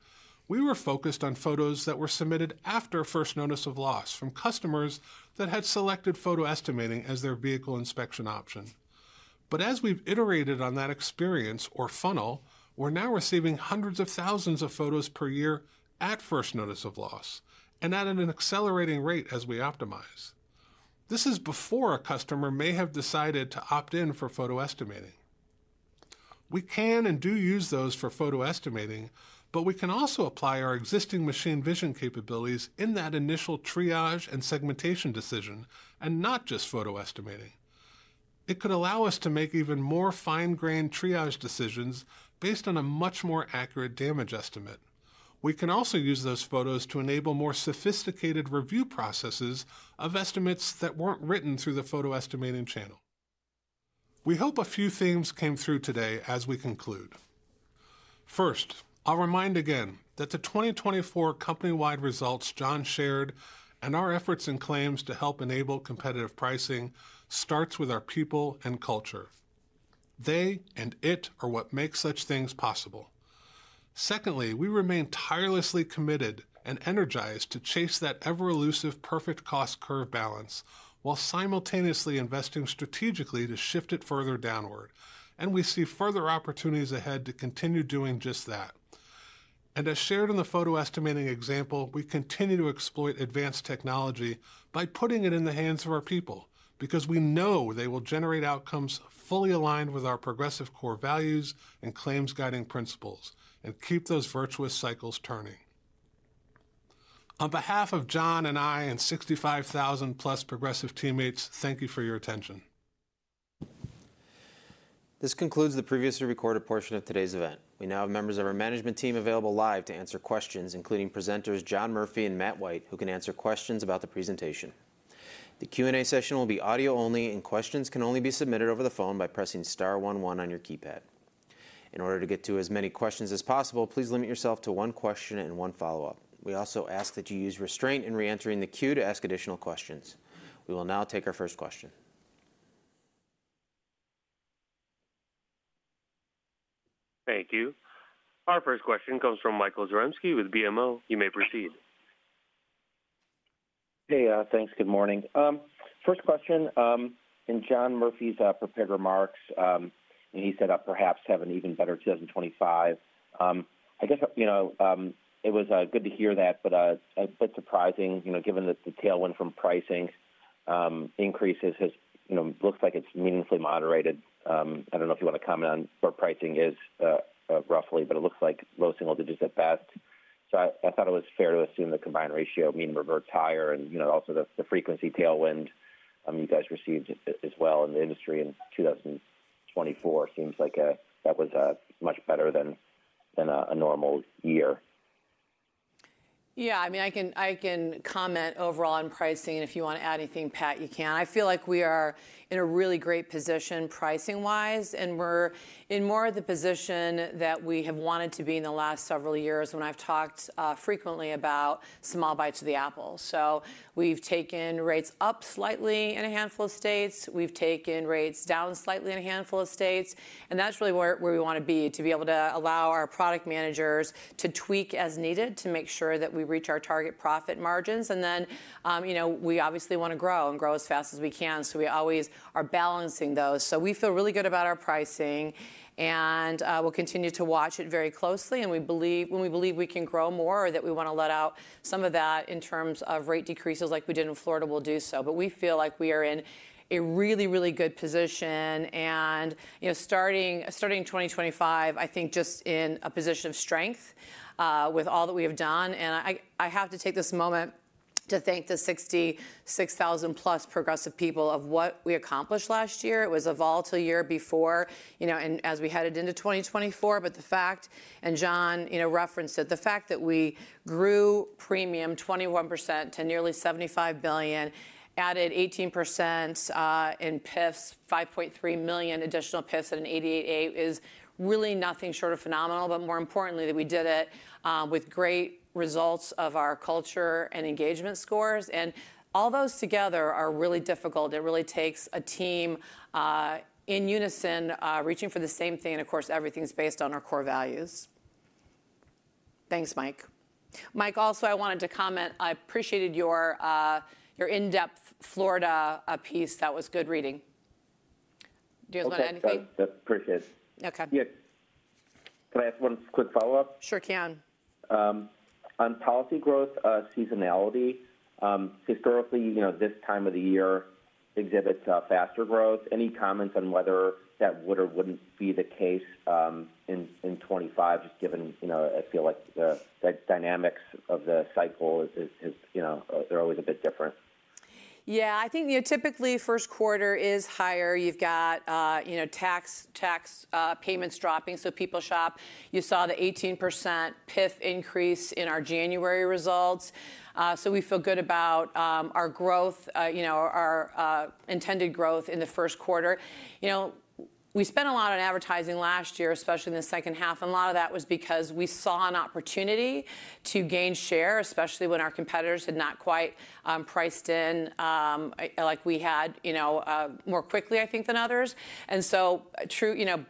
we were focused on photos that were submitted after first notice of loss from customers that had selected photo estimating as their vehicle inspection option. But as we've iterated on that experience or funnel, we're now receiving hundreds of thousands of photos per year at first notice of loss and at an accelerating rate as we optimize. This is before a customer may have decided to opt in for photo estimating. We can and do use those for photo estimating, but we can also apply our existing machine vision capabilities in that initial triage and segmentation decision and not just photo estimating. It could allow us to make even more fine-grained triage decisions based on a much more accurate damage estimate. We can also use those photos to enable more sophisticated review processes of estimates that weren't written through the photo estimating channel. We hope a few themes came through today as we conclude. First, I'll remind again that the 2024 company-wide results John shared and our efforts in claims to help enable competitive pricing starts with our people and culture. They and it are what makes such things possible. Secondly, we remain tirelessly committed and energized to chase that ever-elusive perfect cost curve balance while simultaneously investing strategically to shift it further downward, and we see further opportunities ahead to continue doing just that, and as shared in the photo estimating example, we continue to exploit advanced technology by putting it in the hands of our people because we know they will generate outcomes fully aligned with our Progressive Core Values and Claims Guiding Principles and keep those virtuous cycles turning. On behalf of John and I and 65,000-plus Progressive teammates, thank you for your attention. This concludes the previously recorded portion of today's event. We now have members of our management team available live to answer questions, including presenters John Murphy and Matt White, who can answer questions about the presentation. The Q&A session will be audio-only, and questions can only be submitted over the phone by pressing star one one on your keypad. In order to get to as many questions as possible, please limit yourself to one question and one follow-up. We also ask that you use restraint in re-entering the queue to ask additional questions. We will now take our first question. Thank you. Our first question comes from Michael Zaremski with BMO. You may proceed. Hey, thanks. Good morning. First question, in John Murphy's prepared remarks, he said perhaps have an even better 2025. I guess it was good to hear that, but a bit surprising given that the tailwind from pricing increases looks like it's meaningfully moderated. I don't know if you want to comment on what pricing is roughly, but it looks like low single digits at best. So I thought it was fair to assume the combined ratio mean revert higher, and also the frequency tailwind you guys received as well in the industry in 2024. It seems like that was much better than a normal year. Yeah, I mean, I can comment overall on pricing. If you want to add anything, Pat, you can. I feel like we are in a really great position pricing-wise, and we're in more of the position that we have wanted to be in the last several years when I've talked frequently about small bites of the apple. So we've taken rates up slightly in a handful of states. We've taken rates down slightly in a handful of states. And that's really where we want to be to be able to allow our product managers to tweak as needed to make sure that we reach our target profit margins. And then we obviously want to grow and grow as fast as we can. So we always are balancing those. So we feel really good about our pricing, and we'll continue to watch it very closely. And when we believe we can grow more or that we want to let out some of that in terms of rate decreases like we did in Florida, we'll do so. But we feel like we are in a really, really good position. And starting 2025, I think just in a position of strength with all that we have done. And I have to take this moment to thank the 66,000-plus Progressive people of what we accomplished last year. It was a volatile year before and as we headed into 2024. But the fact, and John referenced it, the fact that we grew premium 21% to nearly $75 billion, added 18% in PIFs, 5.3 million additional PIFs at an 88.8 is really nothing short of phenomenal. But more importantly, that we did it with great results of our culture and engagement scores. And all those together are really difficult. It really takes a team in unison reaching for the same thing. And of course, everything's based on our core values. Thanks, Mike. Mike, also, I wanted to comment. I appreciated your in-depth Florida piece. That was good reading. Do you guys want to add anything? Yep, appreciate it. Okay. Can I ask one quick follow-up? Sure can. On policy growth seasonality, historically, this time of the year exhibits faster growth. Any comments on whether that would or wouldn't be the case in 2025, just given I feel like the dynamics of the cycle are always a bit different? Yeah, I think typically first quarter is higher. You've got tax payments dropping, so people shop. You saw the 18% PIF increase in our January results. So we feel good about our growth, our intended growth in the first quarter. We spent a lot on advertising last year, especially in the second half, and a lot of that was because we saw an opportunity to gain share, especially when our competitors had not quite priced in like we had more quickly, I think, than others, and so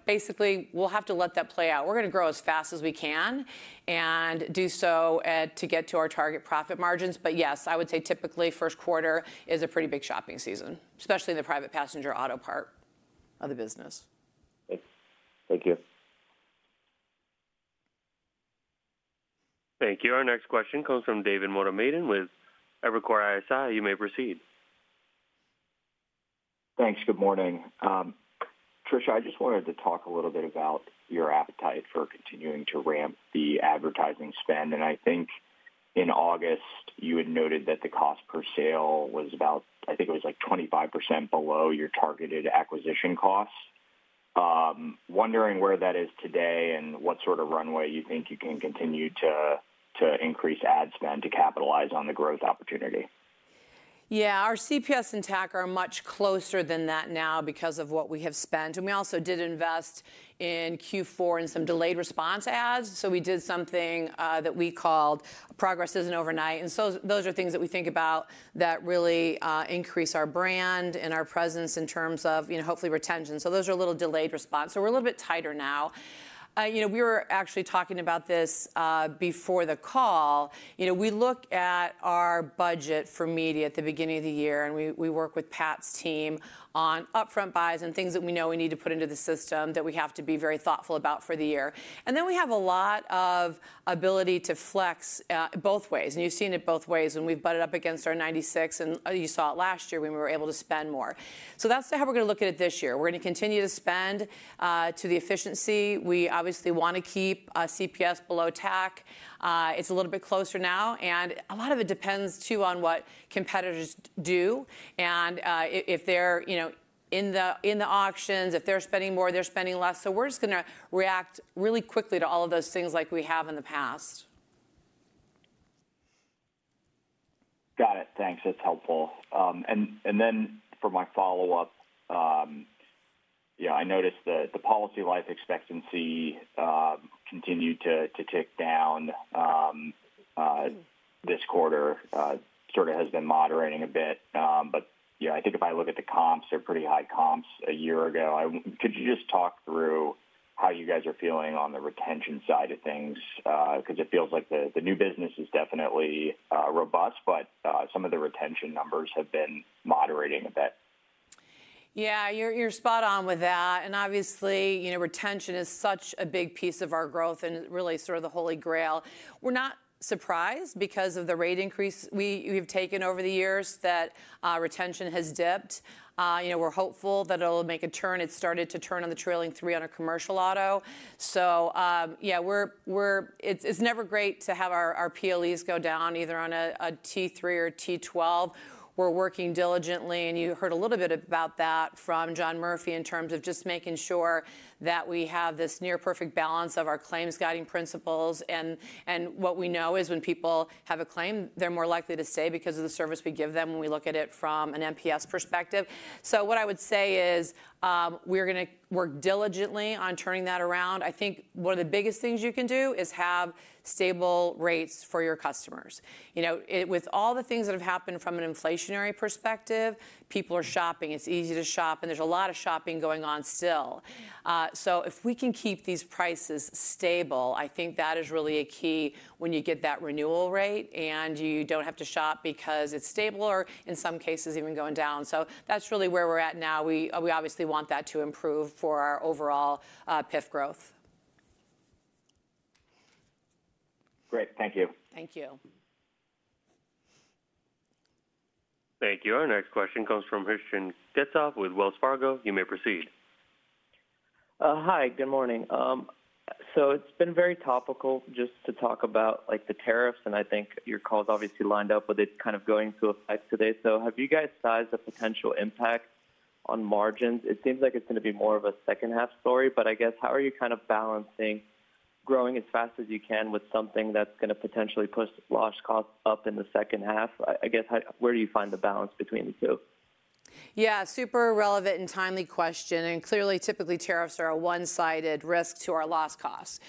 basically, we'll have to let that play out. We're going to grow as fast as we can and do so to get to our target profit margins. But yes, I would say typically first quarter is a pretty big shopping season, especially in the private passenger auto part of the business. Thank you. Thank you. Our next question comes from David Motemaden with Evercore ISI. You may proceed. Thanks. Good morning. Tricia, I just wanted to talk a little bit about your appetite for continuing to ramp the advertising spend. And I think in August, you had noted that the cost per sale was about, I think it was like 25% below your targeted acquisition costs. Wondering where that is today and what sort of runway you think you can continue to increase ad spend to capitalize on the growth opportunity. Yeah, our CPS and TAC are much closer than that now because of what we have spent. And we also did invest in Q4 in some delayed response ads. So, we did something that we called Progress Isn't Overnight. And so those are things that we think about that really increase our brand and our presence in terms of hopefully retention. So those are a little delayed response. So we're a little bit tighter now. We were actually talking about this before the call. We look at our budget for media at the beginning of the year, and we work with Pat's team on upfront buys and things that we know we need to put into the system that we have to be very thoughtful about for the year. And then we have a lot of ability to flex both ways. And you've seen it both ways when we've butted up against our 96, and you saw it last year when we were able to spend more. So that's how we're going to look at it this year. We're going to continue to spend to the efficiency. We obviously want to keep CPS below TAC. It's a little bit closer now. And a lot of it depends too on what competitors do and if they're in the auctions, if they're spending more, they're spending less. So we're just going to react really quickly to all of those things like we have in the past. Got it. Thanks. That's helpful. And then for my follow-up, I noticed that the policy life expectancy continued to tick down this quarter. It sort of has been moderating a bit. But I think if I look at the comps, they're pretty high comps a year ago. Could you just talk through how you guys are feeling on the retention side of things? Because it feels like the new business is definitely robust, but some of the retention numbers have been moderating a bit. Yeah, you're spot on with that. And obviously, retention is such a big piece of our growth and really sort of the Holy Grail. We're not surprised because of the rate increase we have taken over the years that retention has dipped. We're hopeful that it'll make a turn. It started to turn on the trailing three on a commercial auto. So yeah, it's never great to have our PLEs go down either on a T3 or T12. We're working diligently, and you heard a little bit about that from John Murphy in terms of just making sure that we have this near-perfect balance of our Claims Guiding Principles. And what we know is when people have a claim, they're more likely to stay because of the service we give them when we look at it from an NPS perspective. So what I would say is we're going to work diligently on turning that around. I think one of the biggest things you can do is have stable rates for your customers. With all the things that have happened from an inflationary perspective, people are shopping. It's easy to shop, and there's a lot of shopping going on still. So if we can keep these prices stable, I think that is really a key when you get that renewal rate and you don't have to shop because it's stable or in some cases even going down. So that's really where we're at now. We obviously want that to improve for our overall PIF growth. Great. Thank you. Thank you. Thank you. Our next question comes from Hristian Getsov with Wells Fargo. You may proceed. Hi, good morning. So it's been very topical just to talk about the tariffs. I think your call's obviously lined up with it kind of going into effect today. So have you guys sized the potential impact on margins? It seems like it's going to be more of a second-half story, but I guess how are you kind of balancing growing as fast as you can with something that's going to potentially push loss costs up in the second half? I guess where do you find the balance between the two? Yeah, super relevant and timely question. Clearly, typically tariffs are a one-sided risk to our loss costs.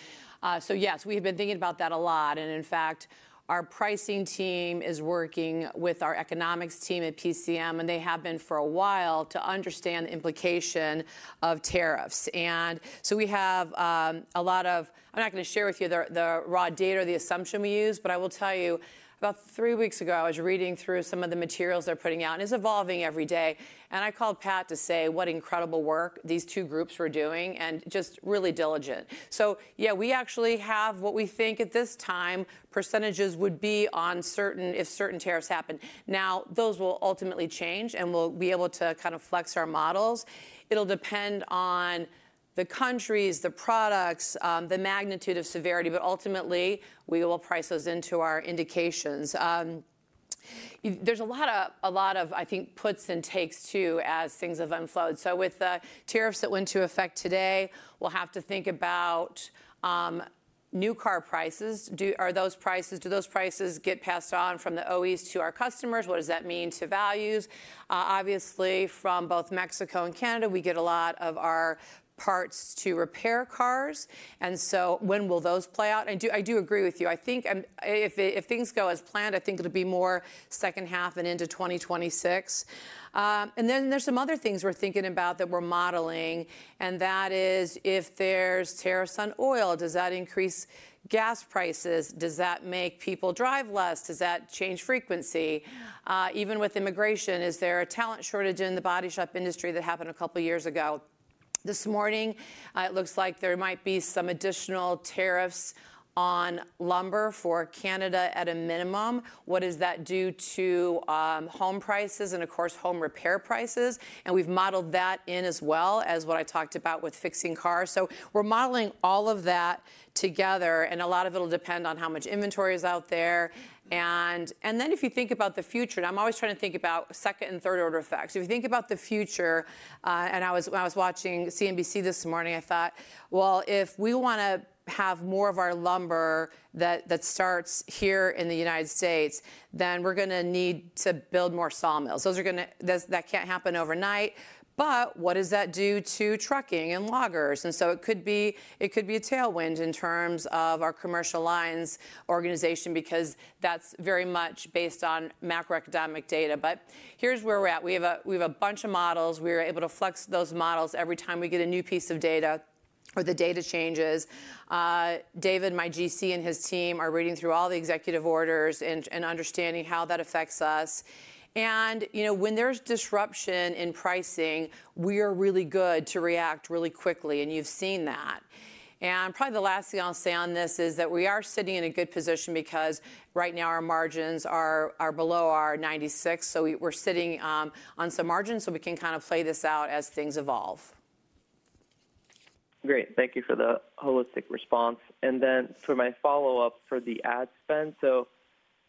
So yes, we have been thinking about that a lot. In fact, our pricing team is working with our economics team at PCM, and they have been for a while to understand the implication of tariffs. And so we have a lot of. I'm not going to share with you the raw data, the assumption we use, but I will tell you about three weeks ago, I was reading through some of the materials they're putting out, and it's evolving every day. And I called Pat to say what incredible work these two groups were doing and just really diligent. So yeah, we actually have what we think at this time percentages would be on certain if certain tariffs happen. Now, those will ultimately change and we'll be able to kind of flex our models. It'll depend on the countries, the products, the magnitude of severity, but ultimately we will price those into our indications. There's a lot of, I think, puts and takes too as things have unfolded. So with the tariffs that went into effect today, we'll have to think about new car prices. Do those prices get passed on from the OEs to our customers? What does that mean to values? Obviously, from both Mexico and Canada, we get a lot of our parts to repair cars. And so when will those play out? I do agree with you. I think if things go as planned, I think it'll be more second half and into 2026. And then there's some other things we're thinking about that we're modeling. And that is if there's tariffs on oil, does that increase gas prices? Does that make people drive less? Does that change frequency? Even with immigration, is there a talent shortage in the body shop industry that happened a couple of years ago? This morning, it looks like there might be some additional tariffs on lumber for Canada at a minimum. What does that do to home prices and, of course, home repair prices? And we've modeled that in as well as what I talked about with fixing cars. So we're modeling all of that together. And a lot of it will depend on how much inventory is out there. And then if you think about the future, and I'm always trying to think about second and third order effects. If you think about the future, and I was watching CNBC this morning, I thought, well, if we want to have more of our lumber that starts here in the United States, then we're going to need to build more sawmills. That can't happen overnight. But what does that do to trucking and loggers? And so it could be a tailwind in terms of our commercial lines organization because that's very much based on macroeconomic data. But here's where we're at. We have a bunch of models. We are able to flex those models every time we get a new piece of data or the data changes. David, my GC and his team are reading through all the executive orders and understanding how that affects us. And when there's disruption in pricing, we are really good to react really quickly. And you've seen that. And probably the last thing I'll say on this is that we are sitting in a good position because right now our margins are below our 96. So we're sitting on some margins so we can kind of play this out as things evolve. Great. Thank you for the holistic response. And then, for my follow-up for the ad spend, so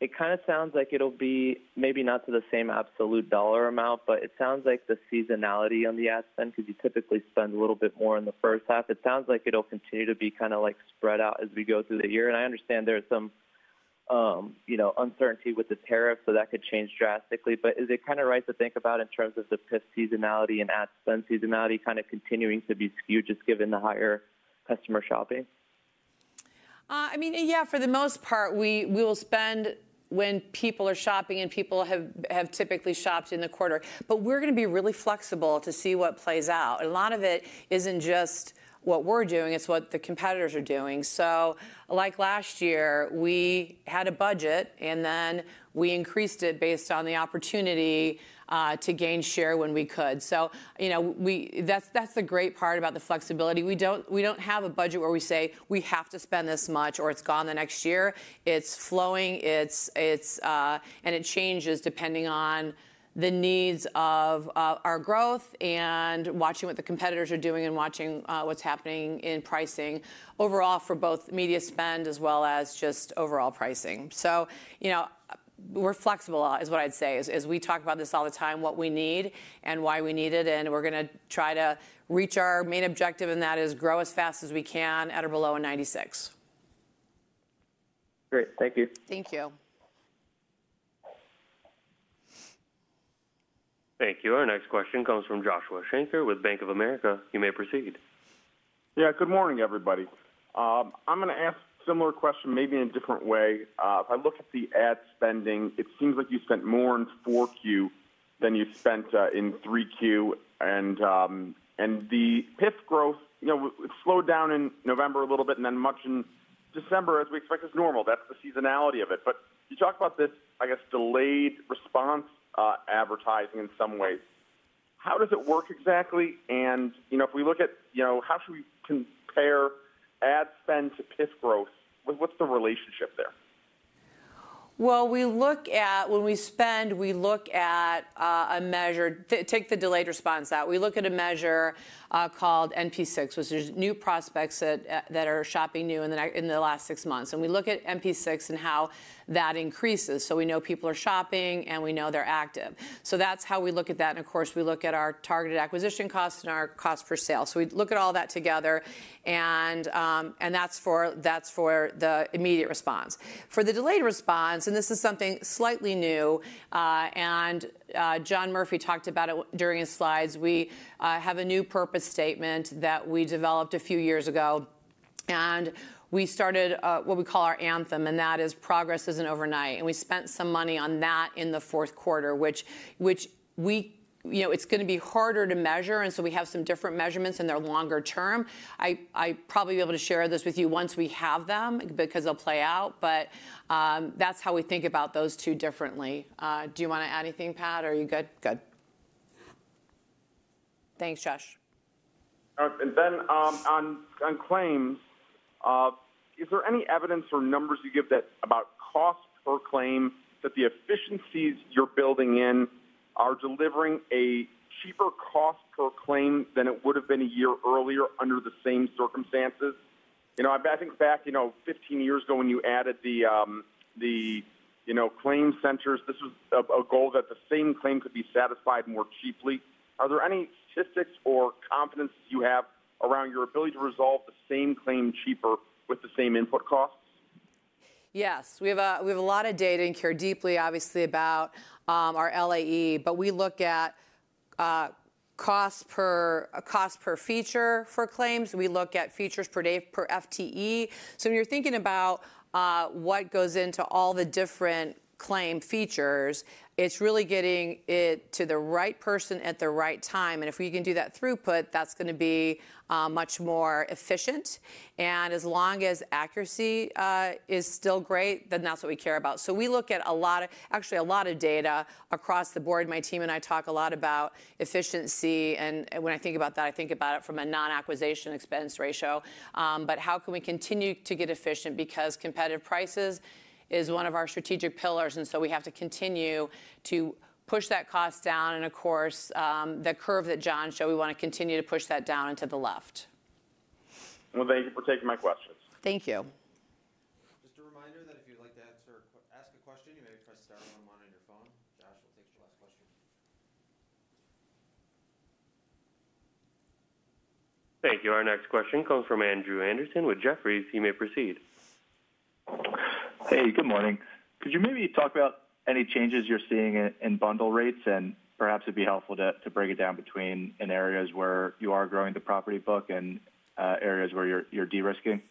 it kind of sounds like it'll be maybe not to the same absolute dollar amount, but it sounds like the seasonality on the ad spend, because you typically spend a little bit more in the first half, it sounds like it'll continue to be kind of spread out as we go through the year. And I understand there is some uncertainty with the tariffs, so that could change drastically. But is it kind of right to think about in terms of the PIF seasonality and ad spend seasonality kind of continuing to be skewed just given the higher customer shopping? I mean, yeah, for the most part, we will spend when people are shopping and people have typically shopped in the quarter. But we're going to be really flexible to see what plays out. And a lot of it isn't just what we're doing, it's what the competitors are doing. So like last year, we had a budget and then we increased it based on the opportunity to gain share when we could. So that's the great part about the flexibility. We don't have a budget where we say we have to spend this much or it's gone the next year. It's flowing and it changes depending on the needs of our growth and watching what the competitors are doing and watching what's happening in pricing overall for both media spend as well as just overall pricing. So we're flexible is what I'd say is we talk about this all the time, what we need and why we need it. And we're going to try to reach our main objective, and that is grow as fast as we can at or below a 96. Great. Thank you. Thank you. Thank you. Our next question comes from Joshua Shanker with Bank of America. You may proceed. Yeah, good morning, everybody. I'm going to ask a similar question, maybe in a different way. If I look at the ad spending, it seems like you spent more in 4Q than you spent in 3Q. And the PIF growth slowed down in November a little bit and then much in December, as we expect is normal. That's the seasonality of it. But you talk about this, I guess, delayed response advertising in some ways. How does it work exactly? And if we look at how should we compare ad spend to PIF growth, what's the relationship there? Well, when we spend, we look at a measure. Take the delayed response out. We look at a measure called NP6, which is new prospects that are shopping new in the last six months. And we look at NP6 and how that increases. So we know people are shopping and we know they're active. So that's how we look at that. And of course, we look at our targeted acquisition costs and our cost per sale. So we look at all that together. And that's for the immediate response. For the delayed response, and this is something slightly new, and John Murphy talked about it during his slides, we have a new purpose statement that we developed a few years ago. And we started what we call our anthem, and that is Progress Isn't Overnight. And we spent some money on that in the fourth quarter, which it's going to be harder to measure. And so we have some different measurements and they're longer term. I'll probably be able to share this with you once we have them because they'll play out. But that's how we think about those two differently. Do you want to add anything, Pat, or are you good? Good. Thanks, Josh. And then on claims, is there any evidence or numbers you give about cost per claim that the efficiencies you're building in are delivering a cheaper cost per claim than it would have been a year earlier under the same circumstances? I think back 15 years ago when you added the claim centers, this was a goal that the same claim could be satisfied more cheaply. Are there any statistics or confidence you have around your ability to resolve the same claim cheaper with the same input costs? Yes. We have a lot of data and care deeply, obviously, about our LAE, but we look at cost per file for claims. We look at files per day per FTE. So when you're thinking about what goes into all the different claim files, it's really getting it to the right person at the right time. And if we can do that throughput, that's going to be much more efficient. And as long as accuracy is still great, then that's what we care about. So we look at actually a lot of data across the board. My team and I talk a lot about efficiency. And when I think about that, I think about it from a non-acquisition expense ratio. But how can we continue to get efficient? Because competitive prices is one of our strategic pillars. And so we have to continue to push that cost down. And of course, the curve that John showed, we want to continue to push that down and to the left. Well, thank you for taking my questions. Thank you. Just a reminder that if you'd like to ask a question, you may press star one one on your phone. Josh will take your last question. Thank you. Our next question comes from Andrew Andersen with Jefferies. He may proceed. Hey, good morning. Could you maybe talk about any changes you're seeing in bundle rates? And perhaps it'd be helpful to break it down between in areas where you are growing the property book and areas where you're de-risking?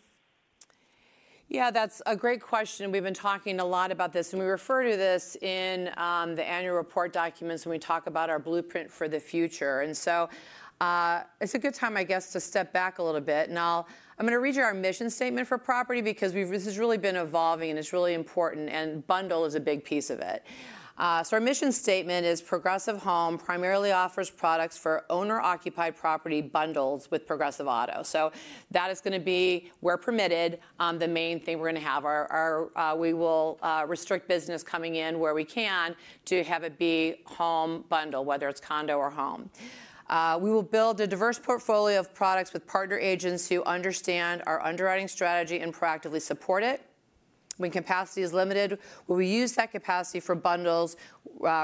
Yeah, that's a great question. We've been talking a lot about this. And we refer to this in the annual report documents when we talk about our Blueprint for the Future. It's a good time, I guess, to step back a little bit. I'm going to read you our mission statement for property because this has really been evolving and it's really important. Bundle is a big piece of it. Our mission statement is Progressive Home primarily offers products for owner-occupied property bundles with Progressive Auto. That is going to be where permitted. The main thing we're going to have are we will restrict business coming in where we can to have it be home bundle, whether it's condo or home. We will build a diverse portfolio of products with partner agents who understand our underwriting strategy and proactively support it. When capacity is limited, we will use that capacity for bundles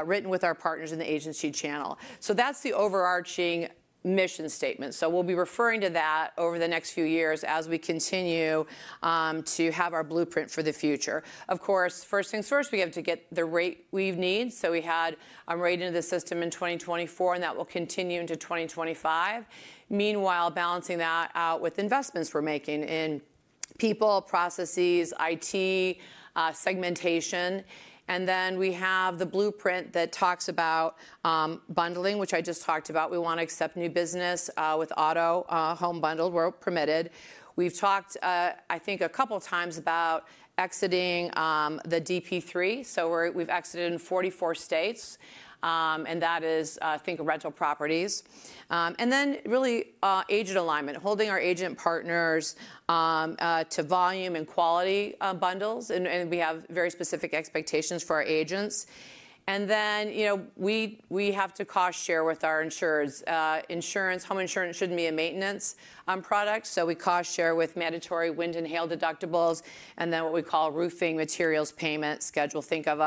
written with our partners in the agency channel. That's the overarching mission statement. So we'll be referring to that over the next few years as we continue to have our Blueprint for the Future. Of course, first thing's first, we have to get the rate we need. So we had a rate into the system in 2024, and that will continue into 2025. Meanwhile, balancing that out with investments we're making in people, processes, IT, segmentation. And then we have the blueprint that talks about bundling, which I just talked about. We want to accept new business with auto home bundled where permitted. We've talked, I think, a couple of times about exiting the DP3. So we've exited in 44 states. And that is, I think, rental properties. And then really agent alignment, holding our agent partners to volume and quality bundles. And we have very specific expectations for our agents. And then we have to cost share with our insurers. Home insurance shouldn't be a maintenance product, so we cost share with mandatory wind and hail deductibles and then what we call roofing materials payment schedule. Think of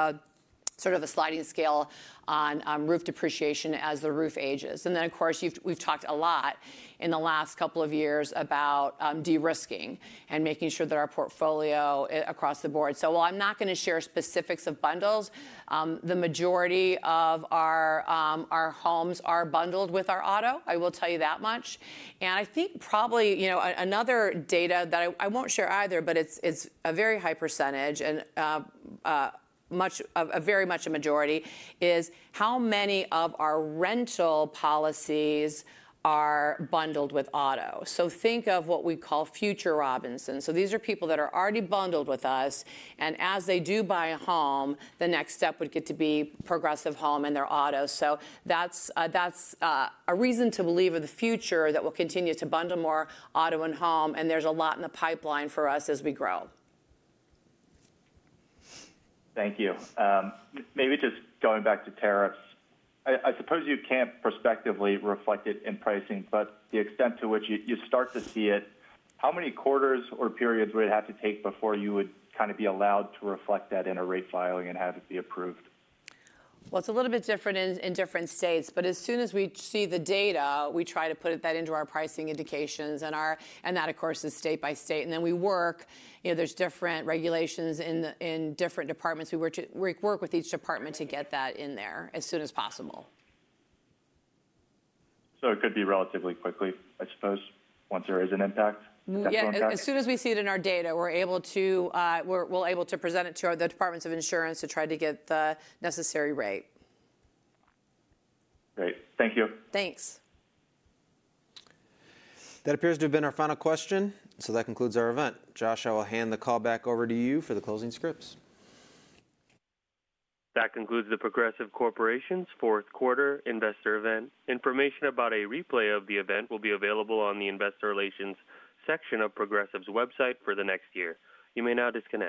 sort of a sliding scale on roof depreciation as the roof ages, and then, of course, we've talked a lot in the last couple of years about de-risking and making sure that our portfolio across the board, so while I'm not going to share specifics of bundles, the majority of our homes are bundled with our auto. I will tell you that much, and I think probably another data that I won't share either, but it's a very high percentage and very much a majority is how many of our rental policies are bundled with auto, so think of what we call Future Robinsons. So these are people that are already bundled with us. As they do buy a home, the next step would get to be Progressive Home and their auto. So that's a reason to believe in the future that we'll continue to bundle more auto and home. And there's a lot in the pipeline for us as we grow. Thank you. Maybe just going back to tariffs, I suppose you can't prospectively reflect it in pricing, but the extent to which you start to see it, how many quarters or periods would it have to take before you would kind of be allowed to reflect that in a rate filing and have it be approved? Well, it's a little bit different in different states. But as soon as we see the data, we try to put that into our pricing indications. And that, of course, is state by state. And then we work. There's different regulations in different departments. We work with each department to get that in there as soon as possible. So it could be relatively quickly, I suppose, once there is an impact? As soon as we see it in our data, we're able to present it to the departments of insurance to try to get the necessary rate. Great. Thank you. Thanks. That appears to have been our final question. So that concludes our event. Josh, I will hand the call back over to you for the closing scripts. That concludes the Progressive Corporation's fourth quarter investor event. Information about a replay of the event will be available on the investor relations section of Progressive's website for the next year. You may now disconnect.